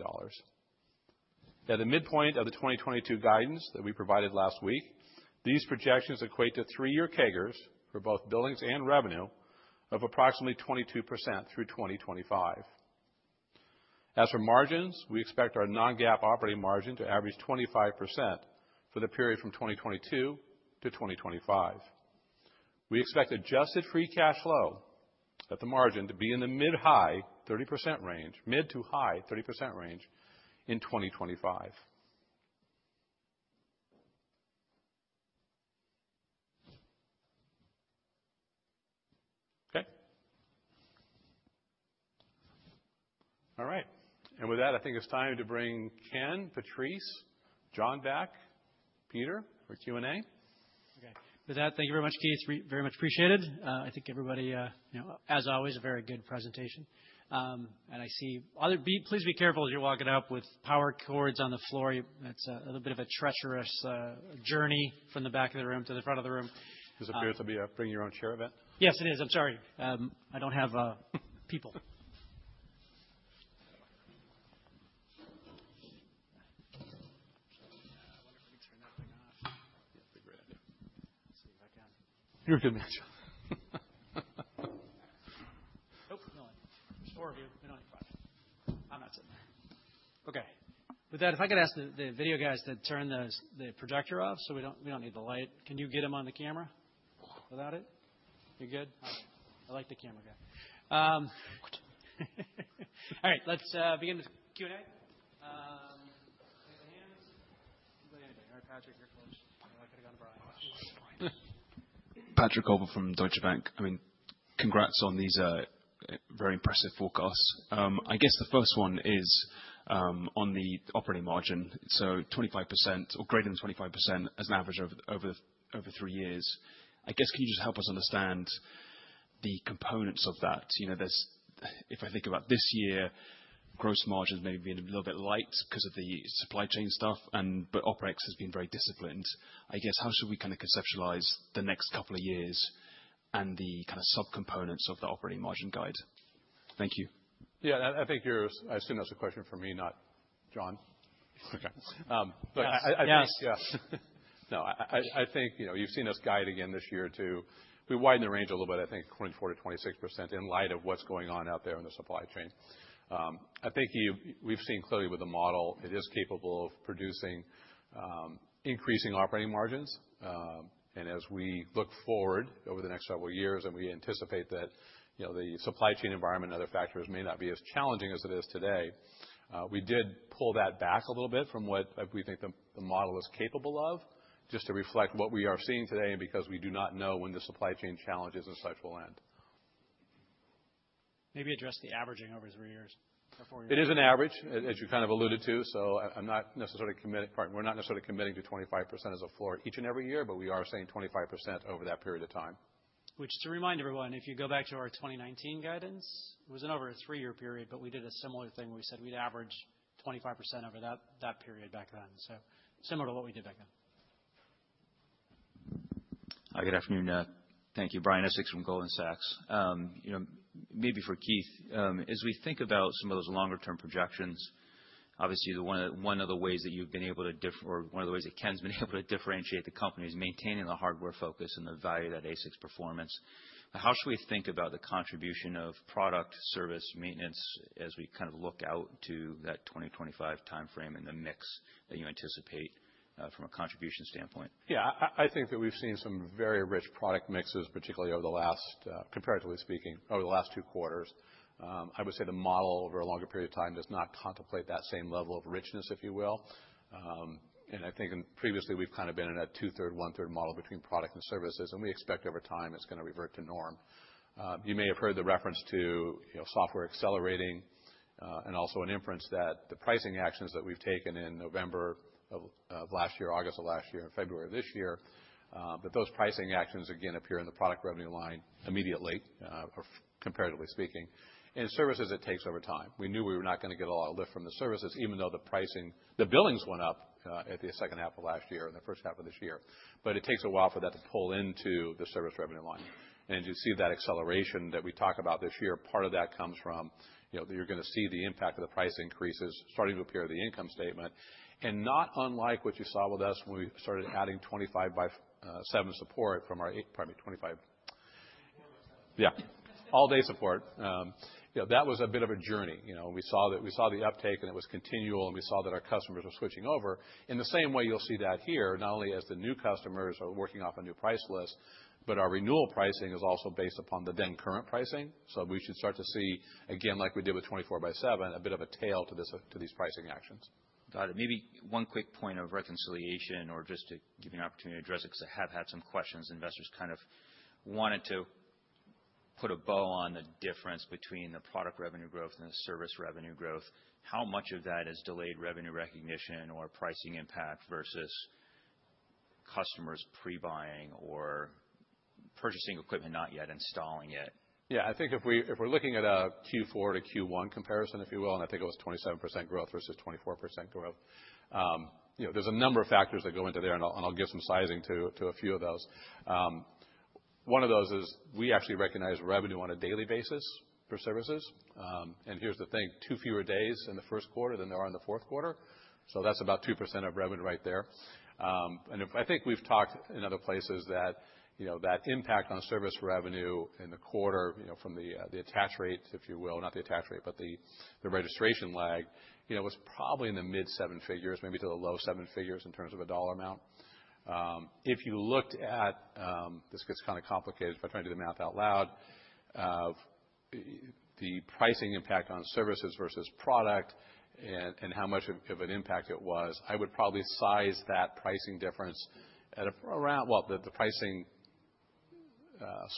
At the midpoint of the 2022 guidance that we provided last week, these projections equate to three year CAGRs for both billings and revenue of approximately 22% through 2025. As for margins, we expect our non-GAAP operating margin to average 25% for the period from 2022 to 2025. We expect adjusted free cash flow at the margin to be in the mid-to-high 30% range in 2025. Okay. All right. With that, I think it's time to bring Ken, Patrice, John back, Peter for Q&A. Okay. With that, thank you very much, Keith. Very much appreciated. I think everybody, you know, as always, a very good presentation. Please be careful as you're walking up with power cords on the floor. It's a little bit of a treacherous journey from the back of the room to the front of the room. This appears to be a bring your own chair event. Yes, it is. I'm sorry. I don't have people. I wonder if we can turn that thing off. Yeah. Figure it out. See if I can. You're good, man. Nope, we only need four of you. We don't need five. I'm not sitting there. Okay. With that, if I could ask the video guys to turn the projector off, so we don't need the light. Can you get them on the camera without it? You're good? All right. I like the camera guy. All right, let's begin this Q&A. Any hands? How about Patrick here? I feel like I could have gone Brian. Patrick Colville from Deutsche Bank. I mean, congrats on these very impressive forecasts. I guess the first one is on the operating margin. 25% or greater than 25% as an average over three years. I guess can you just help us understand the components of that? You know, if I think about this year, gross margins may have been a little bit light because of the supply chain stuff, but OpEx has been very disciplined. I guess how should we kind of conceptualize the next couple of years and the kind of subcomponents of the operating margin guide? Thank you. Yeah, I think I assume that's a question for me, not John. Okay. Um, but I, I think. Yes. Yes. No, I think, you know, you've seen us guide again this year to we widen the range a little bit, I think 24%-26% in light of what's going on out there in the supply chain. I think we've seen clearly with the model it is capable of producing increasing operating margins. As we look forward over the next several years, and we anticipate that, you know, the supply chain environment and other factors may not be as challenging as it is today, we did pull that back a little bit from what we think the model is capable of, just to reflect what we are seeing today and because we do not know when the supply chain challenges as such will end. Maybe address the averaging over three years or four years. It is an average, as you kind of alluded to. Pardon. We're not necessarily committing to 25% as a floor each and every year, but we are saying 25% over that period of time. Just to remind everyone, if you go back to our 2019 guidance, it wasn't over a three-year period, but we did a similar thing. We said we'd average 25% over that period back then. Similar to what we did back then. Good afternoon. Thank you. Brian Essex from Goldman Sachs. You know, maybe for Keith. As we think about some of those longer term projections, obviously one of the ways that Ken's been able to differentiate the company is maintaining the hardware focus and the value that ASICs performance. How should we think about the contribution of product, service, maintenance as we kind of look out to that 2025 timeframe and the mix that you anticipate from a contribution standpoint? Yeah. I think that we've seen some very rich product mixes, particularly over the last, comparatively speaking, over the last two quarters. I would say the model over a longer period of time does not contemplate that same level of richness, if you will. I think previously, we've kind of been in a two-third, one-third model between product and services, and we expect over time it's gonna revert to norm. You may have heard the reference to, you know, software accelerating, and also an inference that the pricing actions that we've taken in November of last year, August of last year, and February of this year, but those pricing actions again appear in the product revenue line immediately, or comparatively speaking. In services, it takes over time. We knew we were not gonna get a lot of lift from the services, even though the pricing, the billings went up at the second half of last year and the first half of this year, but it takes a while for that to pull into the service revenue line. You see that acceleration that we talk about this year, part of that comes from, you know, that you're gonna see the impact of the price increases starting to appear in the income statement. Not unlike what you saw with us when we started adding 25x7 support from our 8x25. Pardon me, 25. 4 by 7. Yeah. All-day support. You know, that was a bit of a journey, you know. We saw the uptake, and it was continual, and we saw that our customers were switching over. In the same way, you'll see that here, not only as the new customers are working off a new price list, but our renewal pricing is also based upon the then current pricing. We should start to see, again, like we did with 24x7, a bit of a tail to this, to these pricing actions. Got it. Maybe one quick point of reconciliation or just to give you an opportunity to address it, 'cause I have had some questions. Investors kind of wanted to put a bow on the difference between the product revenue growth and the service revenue growth. How much of that is delayed revenue recognition or pricing impact versus customers pre-buying or purchasing equipment not yet installing yet? Yeah. I think if we're looking at a Q4 to Q1 comparison, if you will, and I think it was 27% growth versus 24% growth, you know, there's a number of factors that go into there, and I'll give some sizing to a few of those. One of those is we actually recognize revenue on a daily basis for services. Here's the thing, two fewer days in the first quarter than there are in the fourth quarter, so that's about 2% of revenue right there. I think we've talked in other places that, you know, that impact on service revenue in the quarter, you know, from the attach rate, if you will, not the attach rate, but the registration lag, you know, was probably in the mid-seven figures, maybe to the low-seven figures in terms of a dollar amount. If you looked at, this gets kinda complicated if I try to do the math out loud. Of the pricing impact on services versus product and how much of an impact it was, I would probably size that pricing difference at around. Well, the pricing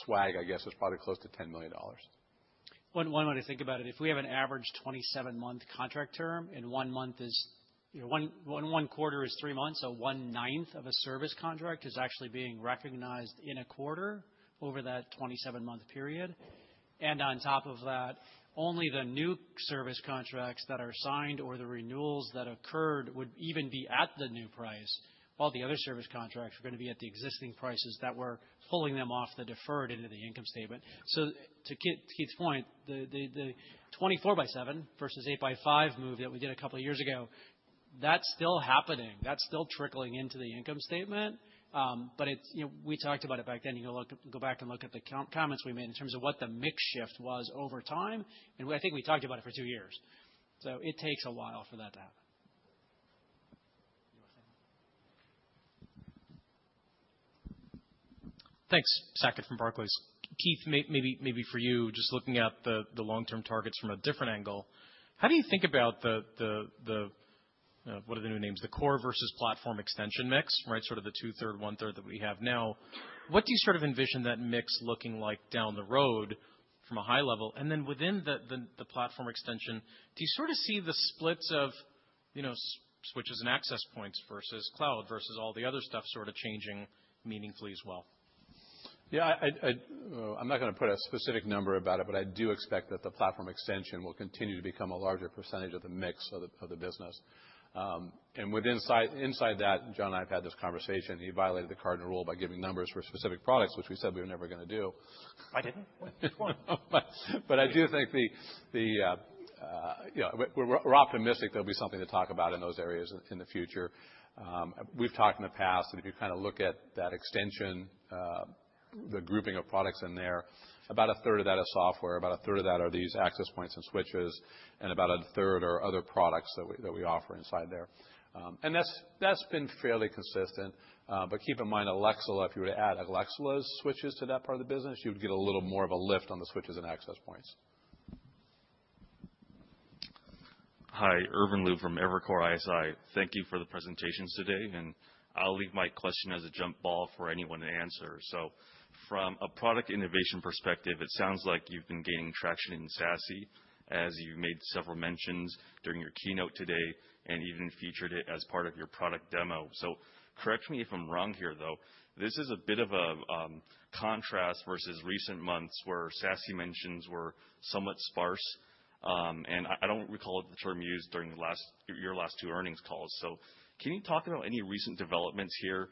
swag, I guess, is probably close to $10 million. One way to think about it, if we have an average 27-month contract term, and one month is. You know, one quarter is three months, so one-ninth of a service contract is actually being recognized in a quarter over that 27-month period. On top of that, only the new service contracts that are signed or the renewals that occurred would even be at the new price, while the other service contracts are gonna be at the existing prices that were pulling them off the deferred into the income statement. To Keith's point, the 24x7 versus 8x5 move that we did a couple of years ago, that's still happening. That's still trickling into the income statement. But it's, you know, we talked about it back then. You can look, go back and look at the comments we made in terms of what the mix shift was over time, and we, I think we talked about it for two years. It takes a while for that to happen. Your thing. Thanks. Saket from Barclays. Keith, maybe for you, just looking at the long-term targets from a different angle, how do you think about the what are the new names? The core versus platform extension mix, right? Sort of the two-thirds, one-third that we have now. What do you sort of envision that mix looking like down the road from a high level? And then within the platform extension, do you sort of see the splits of, you know, switches and access points versus cloud versus all the other stuff sort of changing meaningfully as well? Yeah. I'm not gonna put a specific number about it, but I do expect that the platform extension will continue to become a larger percentage of the mix of the business. Inside that, John and I have had this conversation. He violated the cardinal rule by giving numbers for specific products, which we said we were never gonna do. I didn't. I do think the you know, we're optimistic there'll be something to talk about in those areas in the future. We've talked in the past, and if you kinda look at that extension, the grouping of products in there, about a third of that is software, about a third of that are these access points and switches, and about a third are other products that we offer inside there. That's been fairly consistent. Keep in mind, Alaxala, if you were to add Alaxala's switches to that part of the business, you'd get a little more of a lift on the switches and access points. Hi. Irvin Liu from Evercore ISI. Thank you for the presentations today, and I'll leave my question as a jump ball for anyone to answer. From a product innovation perspective, it sounds like you've been gaining traction in SASE as you made several mentions during your keynote today and even featured it as part of your product demo. Correct me if I'm wrong here, though, this is a bit of a contrast versus recent months where SASE mentions were somewhat sparse. I don't recall the term used during your last two earnings calls. Can you talk about any recent developments here,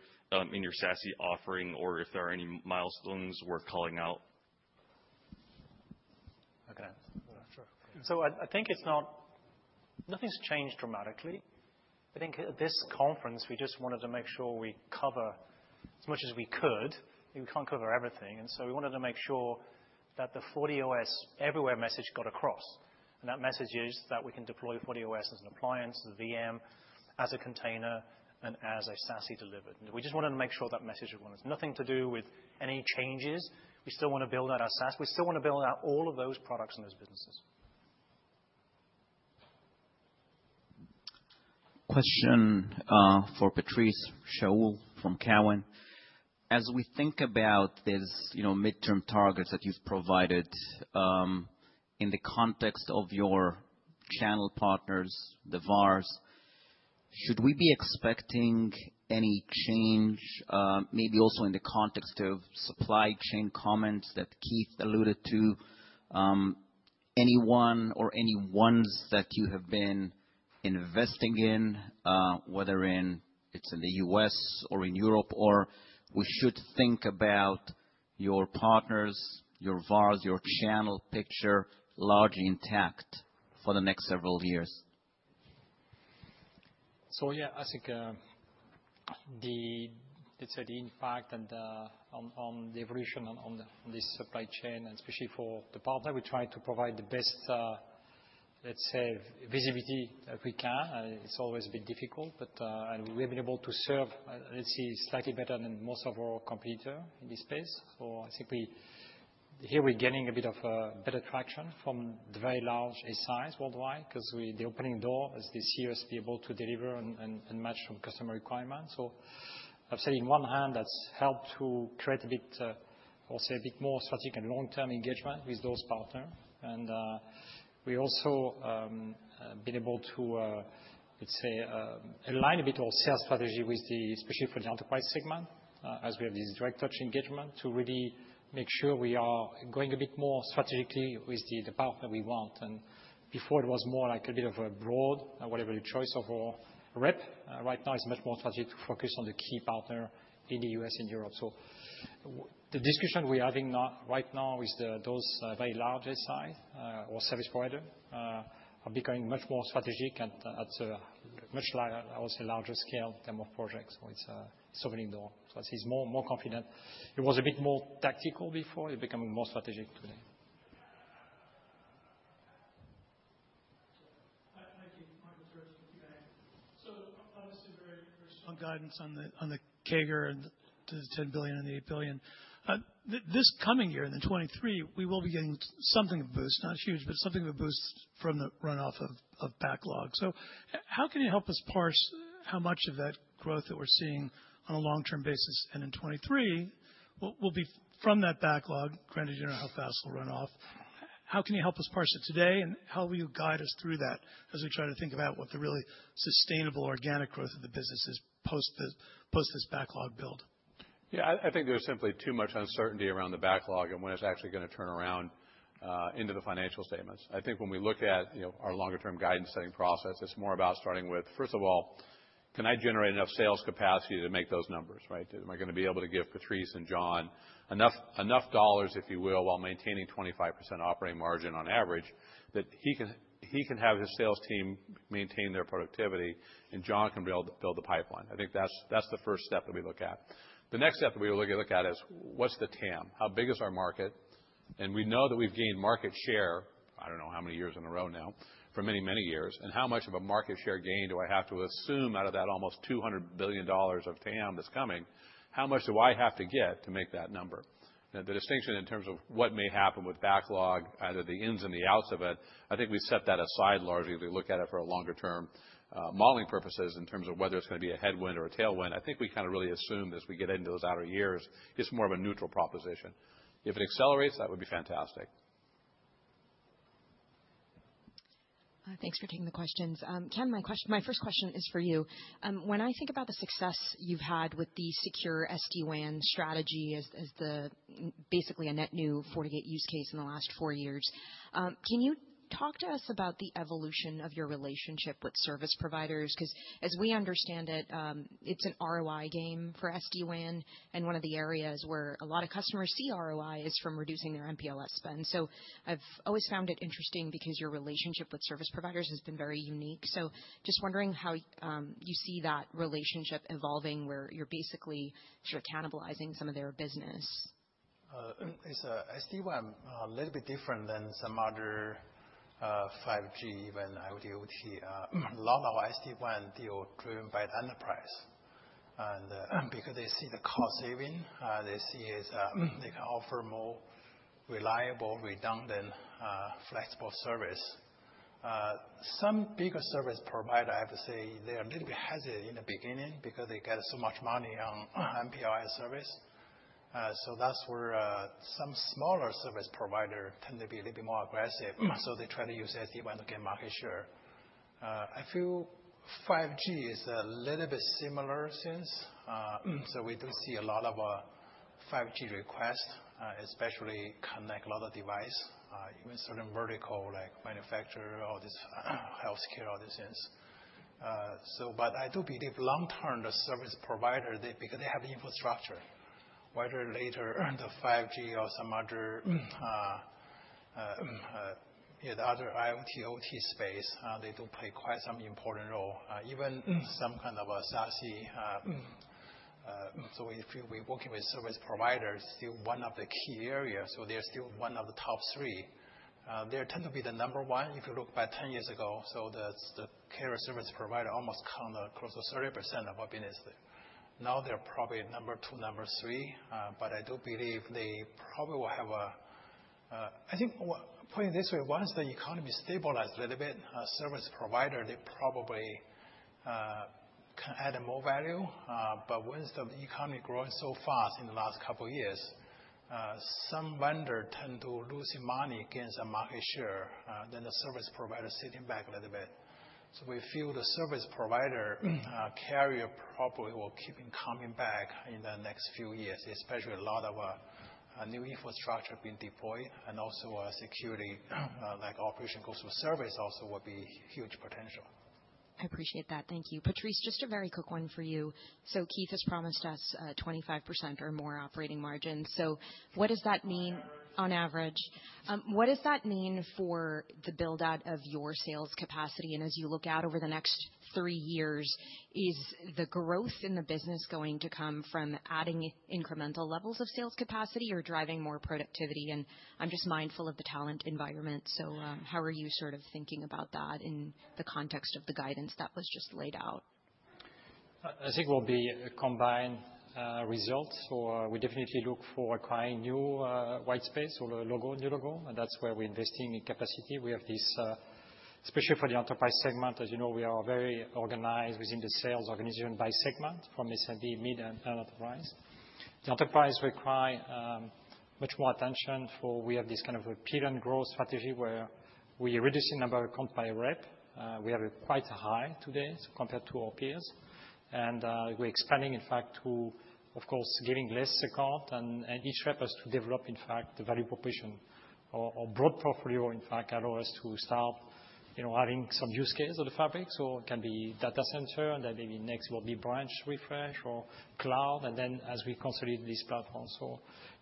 in your SASE offering or if there are any milestones worth calling out? I can. Sure. I think nothing's changed dramatically. I think at this conference, we just wanted to make sure we cover as much as we could. We can't cover everything, and so we wanted to make sure that the FortiOS everywhere message got across. That message is that we can deploy FortiOS as an appliance, as a VM, as a container, and as a SASE delivered. We just wanted to make sure that message went. It's nothing to do with any changes. We still wanna build out our SASE. We still wanna build out all of those products and those businesses. Question for Patrice, Shaul from Cowen. As we think about this, midterm targets that you've provided, in the context of your channel partners, the VARs, should we be expecting any change, maybe also in the context of supply chain comments that Keith alluded to, anyone that you have been investing in, whether it's in the U.S. or in Europe, or we should think about your partners, your VARs, your channel picture largely intact for the next several years? Yeah, I think let's say the impact and on the evolution on the supply chain, and especially for the partner, we try to provide the best let's say visibility that we can. It's always a bit difficult, but. We have been able to serve let's say slightly better than most of our competitor in this space. I think here we're gaining a bit of better traction from the very large SI size worldwide 'cause the opening door this year is to be able to deliver and match from customer requirements. I've said on one hand that's helped to create a bit I'll say a bit more strategic and long-term engagement with those partner. We also been able to let's say align a bit our sales strategy with the especially for the enterprise segment as we have this direct touch engagement to really make sure we are going a bit more strategically with the partner we want. Before it was more like a bit of a broad whatever the choice of our rep. Right now it's much more strategic focus on the key partner in the U.S. and Europe. The discussion we're having now right now with those very large SI or service provider are becoming much more strategic and at a much larger scale and more projects. It's opening door. I'd say it's more confident. It was a bit more tactical before, it's becoming more strategic today. Sure. Hi. Thank you. Tal Liani with BofA. Obviously very, very small guidance on the CAGR and $10 billion and the $8 billion. This coming year, 2023, we will be getting something of a boost, not huge, but something of a boost from the runoff of backlog. How can you help us parse how much of that growth that we're seeing on a long-term basis and in 2023 will be from that backlog, granted you don't know how fast it'll run off. How can you help us parse it today, and how will you guide us through that as we try to think about what the really sustainable organic growth of the business is post this backlog build? I think there's simply too much uncertainty around the backlog and when it's actually gonna turn around into the financial statements. I think when we look at, you know, our longer term guidance setting process, it's more about starting with, first of all, can I generate enough sales capacity to make those numbers, right? Am I gonna be able to give Patrice and John enough dollars, if you will, while maintaining 25% operating margin on average that he can have his sales team maintain their productivity and John can build the pipeline. I think that's the first step that we look at. The next step that we look at is what's the TAM? How big is our market? We know that we've gained market share, I don't know how many years in a row now, for many, many years. How much of a market share gain do I have to assume out of that almost $200 billion of TAM that's coming? How much do I have to get to make that number? Now, the distinction in terms of what may happen with backlog, either the ins and the outs of it, I think we set that aside largely as we look at it for a longer term, modeling purposes in terms of whether it's gonna be a headwind or a tailwind. I think we kind of really assume as we get into those outer years, it's more of a neutral proposition. If it accelerates, that would be fantastic. Thanks for taking the questions. Ken, my first question is for you. When I think about the success you've had with the secure SD-WAN strategy as basically a net new FortiGate use case in the last four years, can you talk to us about the evolution of your relationship with service providers? 'Cause as we understand it's an ROI game for SD-WAN, and one of the areas where a lot of customers see ROI is from reducing their MPLS spend. I've always found it interesting because your relationship with service providers has been very unique. Just wondering how you see that relationship evolving where you're basically sure cannibalizing some of their business. It's SD-WAN, a little bit different than some other 5G even IoT. Lot of our SD-WAN deal driven by the enterprise, and because they see the cost saving, they can offer more reliable, redundant, flexible service. Some bigger service provider, I have to say they are a little bit hesitant in the beginning because they get so much money on MPLS service. That's where some smaller service provider tend to be a little bit more aggressive, so they try to use SD-WAN to gain market share. I feel 5G is a little bit similar since so we do see a lot of 5G requests, especially connect a lot of device, even certain vertical like manufacturer or this healthcare, all these things. I do believe long term, the service provider they because they have infrastructure, whether later the 5G or some other, you know, the other IoT, OT space, they do play quite some important role, even some kind of a SASE. If we working with service providers, still one of the key areas, they're still one of the top three. They tend to be the number one if you look back 10 years ago. The carrier service provider almost come across as 30% of our business. Now they're probably number two, number three. I do believe they probably will have a. I think put it this way, once the economy stabilize a little bit, service provider, they probably can add more value. Once the economy growing so fast in the last couple years, some vendor tend to losing money against the market share, than the service provider sitting back a little bit. We feel the service provider, carrier probably will keeping coming back in the next few years, especially a lot of new infrastructure being deployed and also, security like operation goes to a service also will be huge potential. I appreciate that. Thank you. Patrice, just a very quick one for you. Keith has promised us 25% or more operating margin. What does that mean? On average. On average. What does that mean for the build-out of your sales capacity? As you look out over the next three years, is the growth in the business going to come from adding incremental levels of sales capacity or driving more productivity? I'm just mindful of the talent environment. How are you sort of thinking about that in the context of the guidance that was just laid out? I think it will be a combined result. We definitely look for acquiring new white space or new logo, and that's where we're investing in capacity. We have this, especially for the enterprise segment. As you know, we are very organized within the sales organization by segment from SMB, mid, and enterprise. The enterprise require much more attention, for we have this kind of a pay and growth strategy where we reducing number of comp by rep. We are quite high today compared to our peers. We're expanding in fact to, of course, giving less account and each rep has to develop, in fact, the value proposition or broad portfolio in fact allow us to start, you know, adding some use cases of the fabric. It can be data center, and then maybe next will be branch refresh or cloud, and then as we consolidate this platform.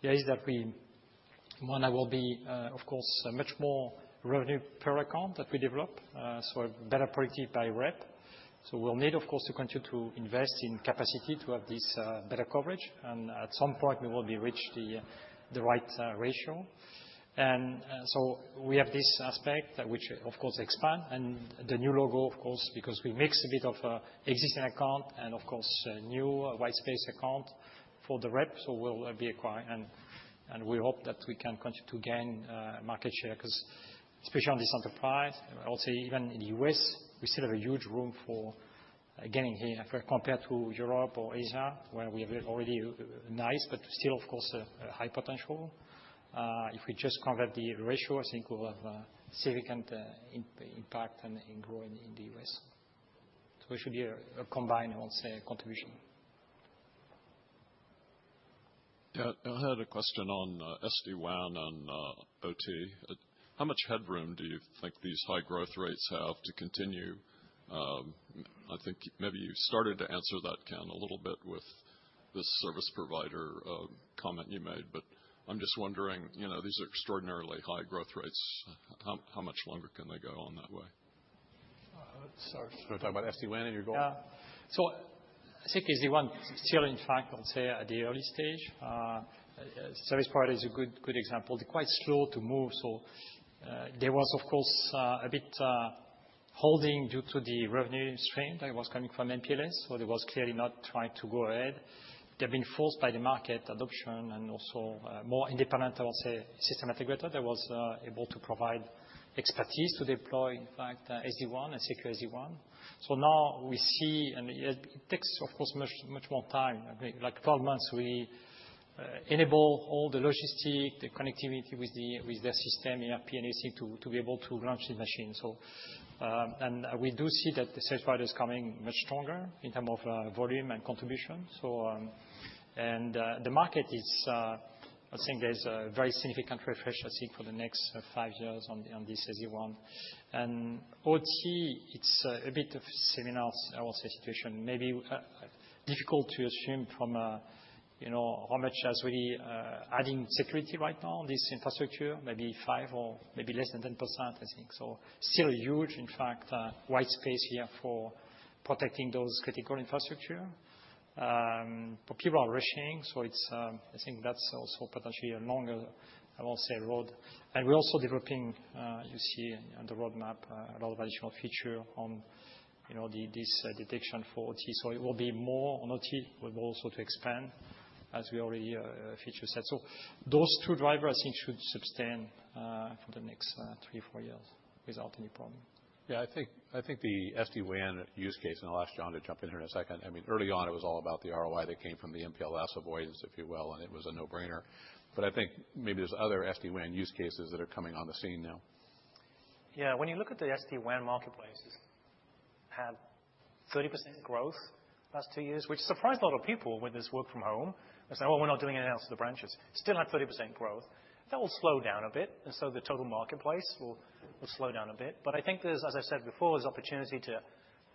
The idea is that we one, it will be of course much more revenue per account that we develop, so better protected per rep. We'll need of course to continue to invest in capacity to have this better coverage. At some point, we will reach the right ratio. We have this aspect which of course expand and the new logo of course because we mix a bit of existing account and of course a new white space account for the rep. We'll be acquiring and we hope that we can continue to gain market share because especially on this enterprise, I would say even in the U.S., we still have a huge room for gaining here compared to Europe or Asia, where we have already nice but still of course a high potential. If we just convert the ratio, I think we'll have a significant impact in growing in the U.S. We should see a combined, I would say, contribution. Yeah. I had a question on SD-WAN and OT. How much headroom do you think these high growth rates have to continue? I think maybe you started to answer that, Ken, a little bit with this service provider comment you made. I'm just wondering, you know, these are extraordinarily high growth rates. How much longer can they go on that way? Sorry. You wanna talk about SD-WAN and you go. Yeah. I think SD-WAN still, in fact, I would say at the early stage. Service part is a good example. They're quite slow to move. There was of course a bit of holding due to the revenue strain that was coming from MPLS, so there was clearly not trying to go ahead. They're being forced by the market adoption and also more independent, I would say, system integrator that was able to provide expertise to deploy, in fact, SD-WAN and secure SD-WAN. Now we see, and it takes, of course, much more time. Like 12 months, we enable all the logistics, the connectivity with their system, ERP and ADC to be able to launch the machine. We do see that the sales part is coming much stronger in terms of volume and contribution. The market is. I think there's a very significant refresh, I think, for the next five years on this SD-WAN. OT, it's a bit of similar, I would say, situation. Maybe difficult to assume from, you know, how much has really adopted security right now, this infrastructure, maybe five or maybe less than 10%, I think. Still huge, in fact, white space here for protecting those critical infrastructure. People are rushing, so it's. I think that's also potentially a longer. I won't say road. We're also developing. You see on the roadmap a lot of additional feature on, you know, this detection for OT. It will be more on OT, but also to expand as we already feature set. Those two drivers, I think, should sustain for the next three, four years without any problem. Yeah. I think the SD-WAN use case, and I'll ask John to jump in here in a second. I mean, early on, it was all about the ROI that came from the MPLS avoidance, if you will, and it was a no-brainer. I think maybe there's other SD-WAN use case that are coming on the scene now. Yeah, when you look at the SD-WAN marketplace's had 30% growth last two years, which surprised a lot of people with this work from home and say, "Oh, we're not doing anything else to the branches." Still had 30% growth. That will slow down a bit, and so the total marketplace will slow down a bit. I think there's, as I said before, there's opportunity to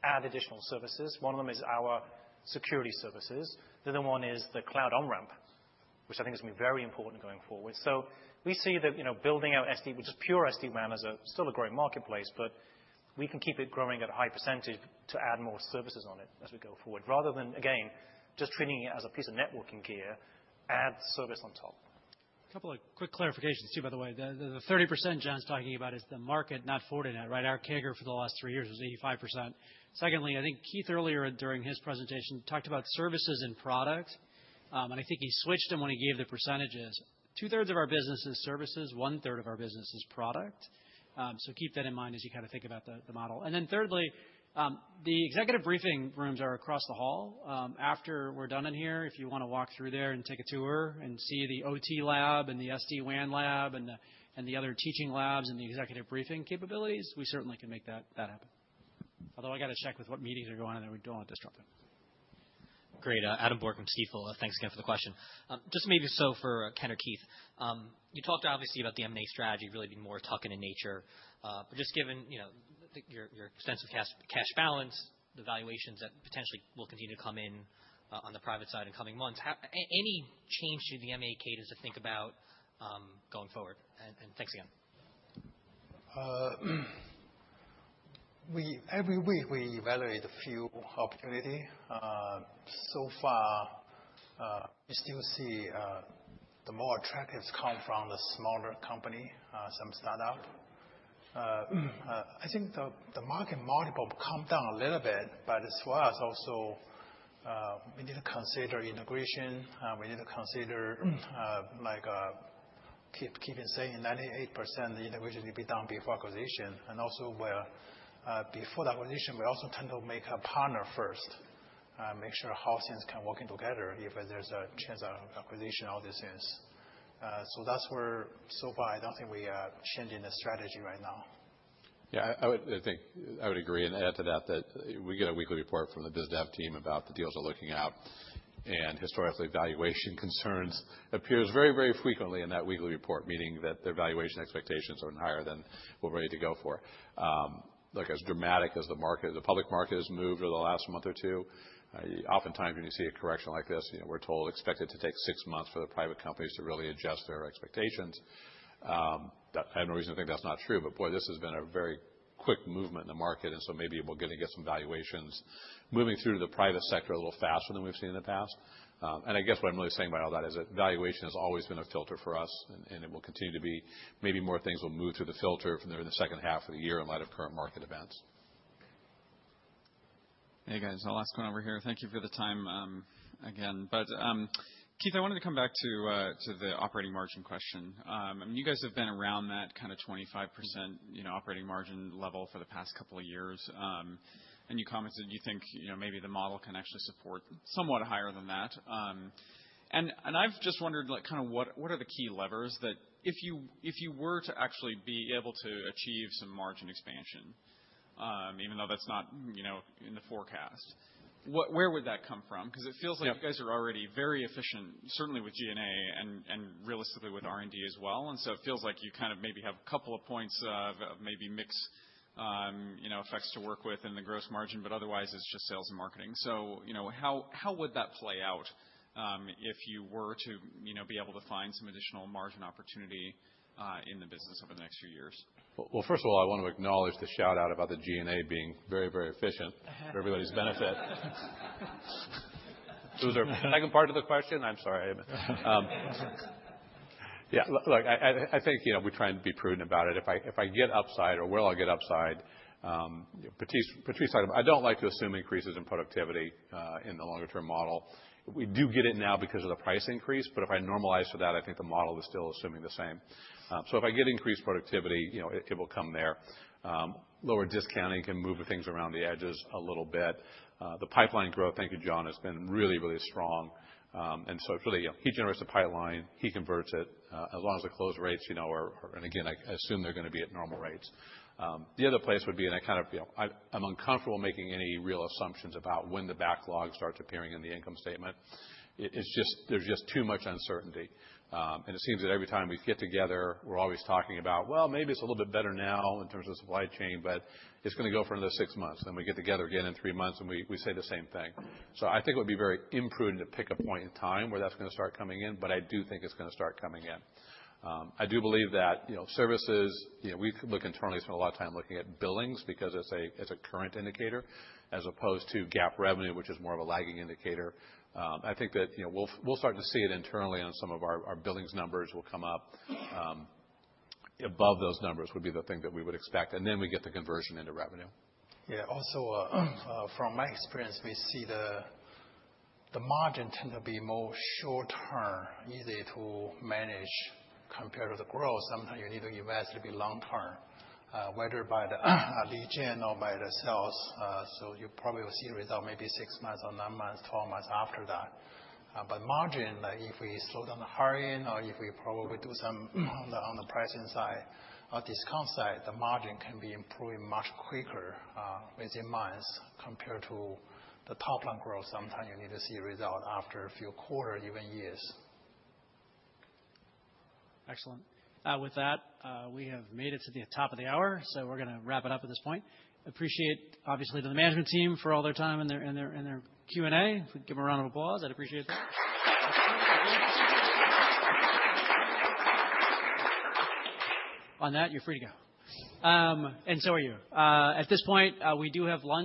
add additional services. One of them is our security services. The other one is the cloud on-ramp, which I think is gonna be very important going forward. We see that, you know, building out SD, which is pure SD-WAN, is still a growing marketplace, but we can keep it growing at a high percentage to add more services on it as we go forward. Rather than, again, just treating it as a piece of networking gear, add service on top. A couple of quick clarifications too, by the way. The 30% John's talking about is the market, not Fortinet, right? Our CAGR for the last three years was 85%. Secondly, I think Keith earlier during his presentation talked about services and product. And I think he switched them when he gave the percentages. Two-thirds of our business is services, one-third of our business is product. Keep that in mind as you kinda think about the model. Thirdly, the executive briefing rooms are across the hall. After we're done in here, if you wanna walk through there and take a tour and see the OT lab and the SD-WAN lab and the other teaching labs and the executive briefing capabilities, we certainly can make that happen. Although I gotta check with what meetings are going on there. We don't want to disrupt them. Great. Adam Borg from Stifel. Thanks again for the question. Just maybe so for Ken or Keith, you talked obviously about the M&A strategy really being more tuck-in in nature. Just given, you know, your extensive cash balance, the valuations that potentially will continue to come in on the private side in coming months, how any change to the M&A cadence to think about going forward? Thanks again. Every week we evaluate a few opportunities. So far, we still see the more attractive come from the smaller company, some startup. I think the market multiple come down a little bit, but as well as also, we need to consider integration, like, keep insisting 98% the integration will be done before acquisition. Also, before the acquisition, we also tend to partner first, make sure how things can work together if there's a chance of acquisition, all these things. That's why so far I don't think we are changing the strategy right now. Yeah, I think I would agree and add to that we get a weekly report from the biz dev team about the deals we're looking at. Historically, valuation concerns appears very, very frequently in that weekly report, meaning that their valuation expectations are higher than we're ready to go for. Look, as dramatic as the market, the public market has moved over the last month or two, oftentimes when you see a correction like this, you know, we're told, expect it to take six months for the private companies to really adjust their expectations. I have no reason to think that's not true, but boy, this has been a very quick movement in the market, and so maybe we're gonna get some valuations moving through to the private sector a little faster than we've seen in the past. I guess what I'm really saying by all that is that valuation has always been a filter for us and it will continue to be. Maybe more things will move through the filter from there in the second half of the year in light of current market events. Hey, guys. The last one over here. Thank you for the time again. Keith, I wanted to come back to the operating margin question. I mean, you guys have been around that kinda 25%, you know, operating margin level for the past couple of years. You commented you think, you know, maybe the model can actually support somewhat higher than that. I've just wondered like, kinda what are the key levers that if you were to actually be able to achieve some margin expansion, even though that's not, you know, in the forecast, what where would that come from? 'Cause it feels like you guys are already very efficient, certainly with G&A and realistically with R&D as well. It feels like you kind of maybe have a couple of points of maybe mix effects to work with in the gross margin, but otherwise it's just sales and marketing. How would that play out if you were to be able to find some additional margin opportunity in the business over the next few years? Well, first of all, I wanna acknowledge the shout-out about the G&A being very, very efficient. Uh-huh. For everybody's benefit. Those are. Second part of the question? I'm sorry. Yeah, look, I think, you know, we try and be prudent about it. If I get upside or where I'll get upside, Patrice talked about it. I don't like to assume increases in productivity in the longer term model. We do get it now because of the price increase, but if I normalize for that, I think the model is still assuming the same. So if I get increased productivity, you know, it will come there. Lower discounting can move things around the edges a little bit. The pipeline growth, thank you, John, has been really strong. So it's really, you know, he generates the pipeline, he converts it as long as the close rates, you know, are. I assume they're gonna be at normal rates. The other place would be. I kind of feel I'm uncomfortable making any real assumptions about when the backlog starts appearing in the income statement. It is just. There's just too much uncertainty. It seems that every time we get together, we're always talking about, well, maybe it's a little bit better now in terms of supply chain, but it's gonna go for another six months. We get together again in three months, and we say the same thing. I think it would be very imprudent to pick a point in time where that's gonna start coming in, but I do think it's gonna start coming in. I do believe that, you know, services, you know, we look internally, spend a lot of time looking at billings because it's a current indicator, as opposed to GAAP revenue, which is more of a lagging indicator. I think that, you know, we'll start to see it internally on some of our billings numbers will come up above those numbers would be the thing that we would expect, and then we get the conversion into revenue. Yeah. Also, from my experience, we see the margin tend to be more short-term, easy to manage compared to the growth. Sometimes you need to invest, it'll be long-term, whether by the gen or by the sales. You probably will see a result maybe six months or nine months, 12 months after that. Margin, if we slow down the hiring or if we probably do some on the pricing side or discount side, the margin can be improved much quicker, within months compared to the top-line growth. Sometimes you need to see a result after a few quarters, even years. Excellent. With that, we have made it to the top of the hour, so we're gonna wrap it up at this point. Appreciate, obviously, to the management team for all their time and their Q&A. If we give them a round of applause, I'd appreciate that. On that, you're free to go. Are you. At this point, we do have lunch.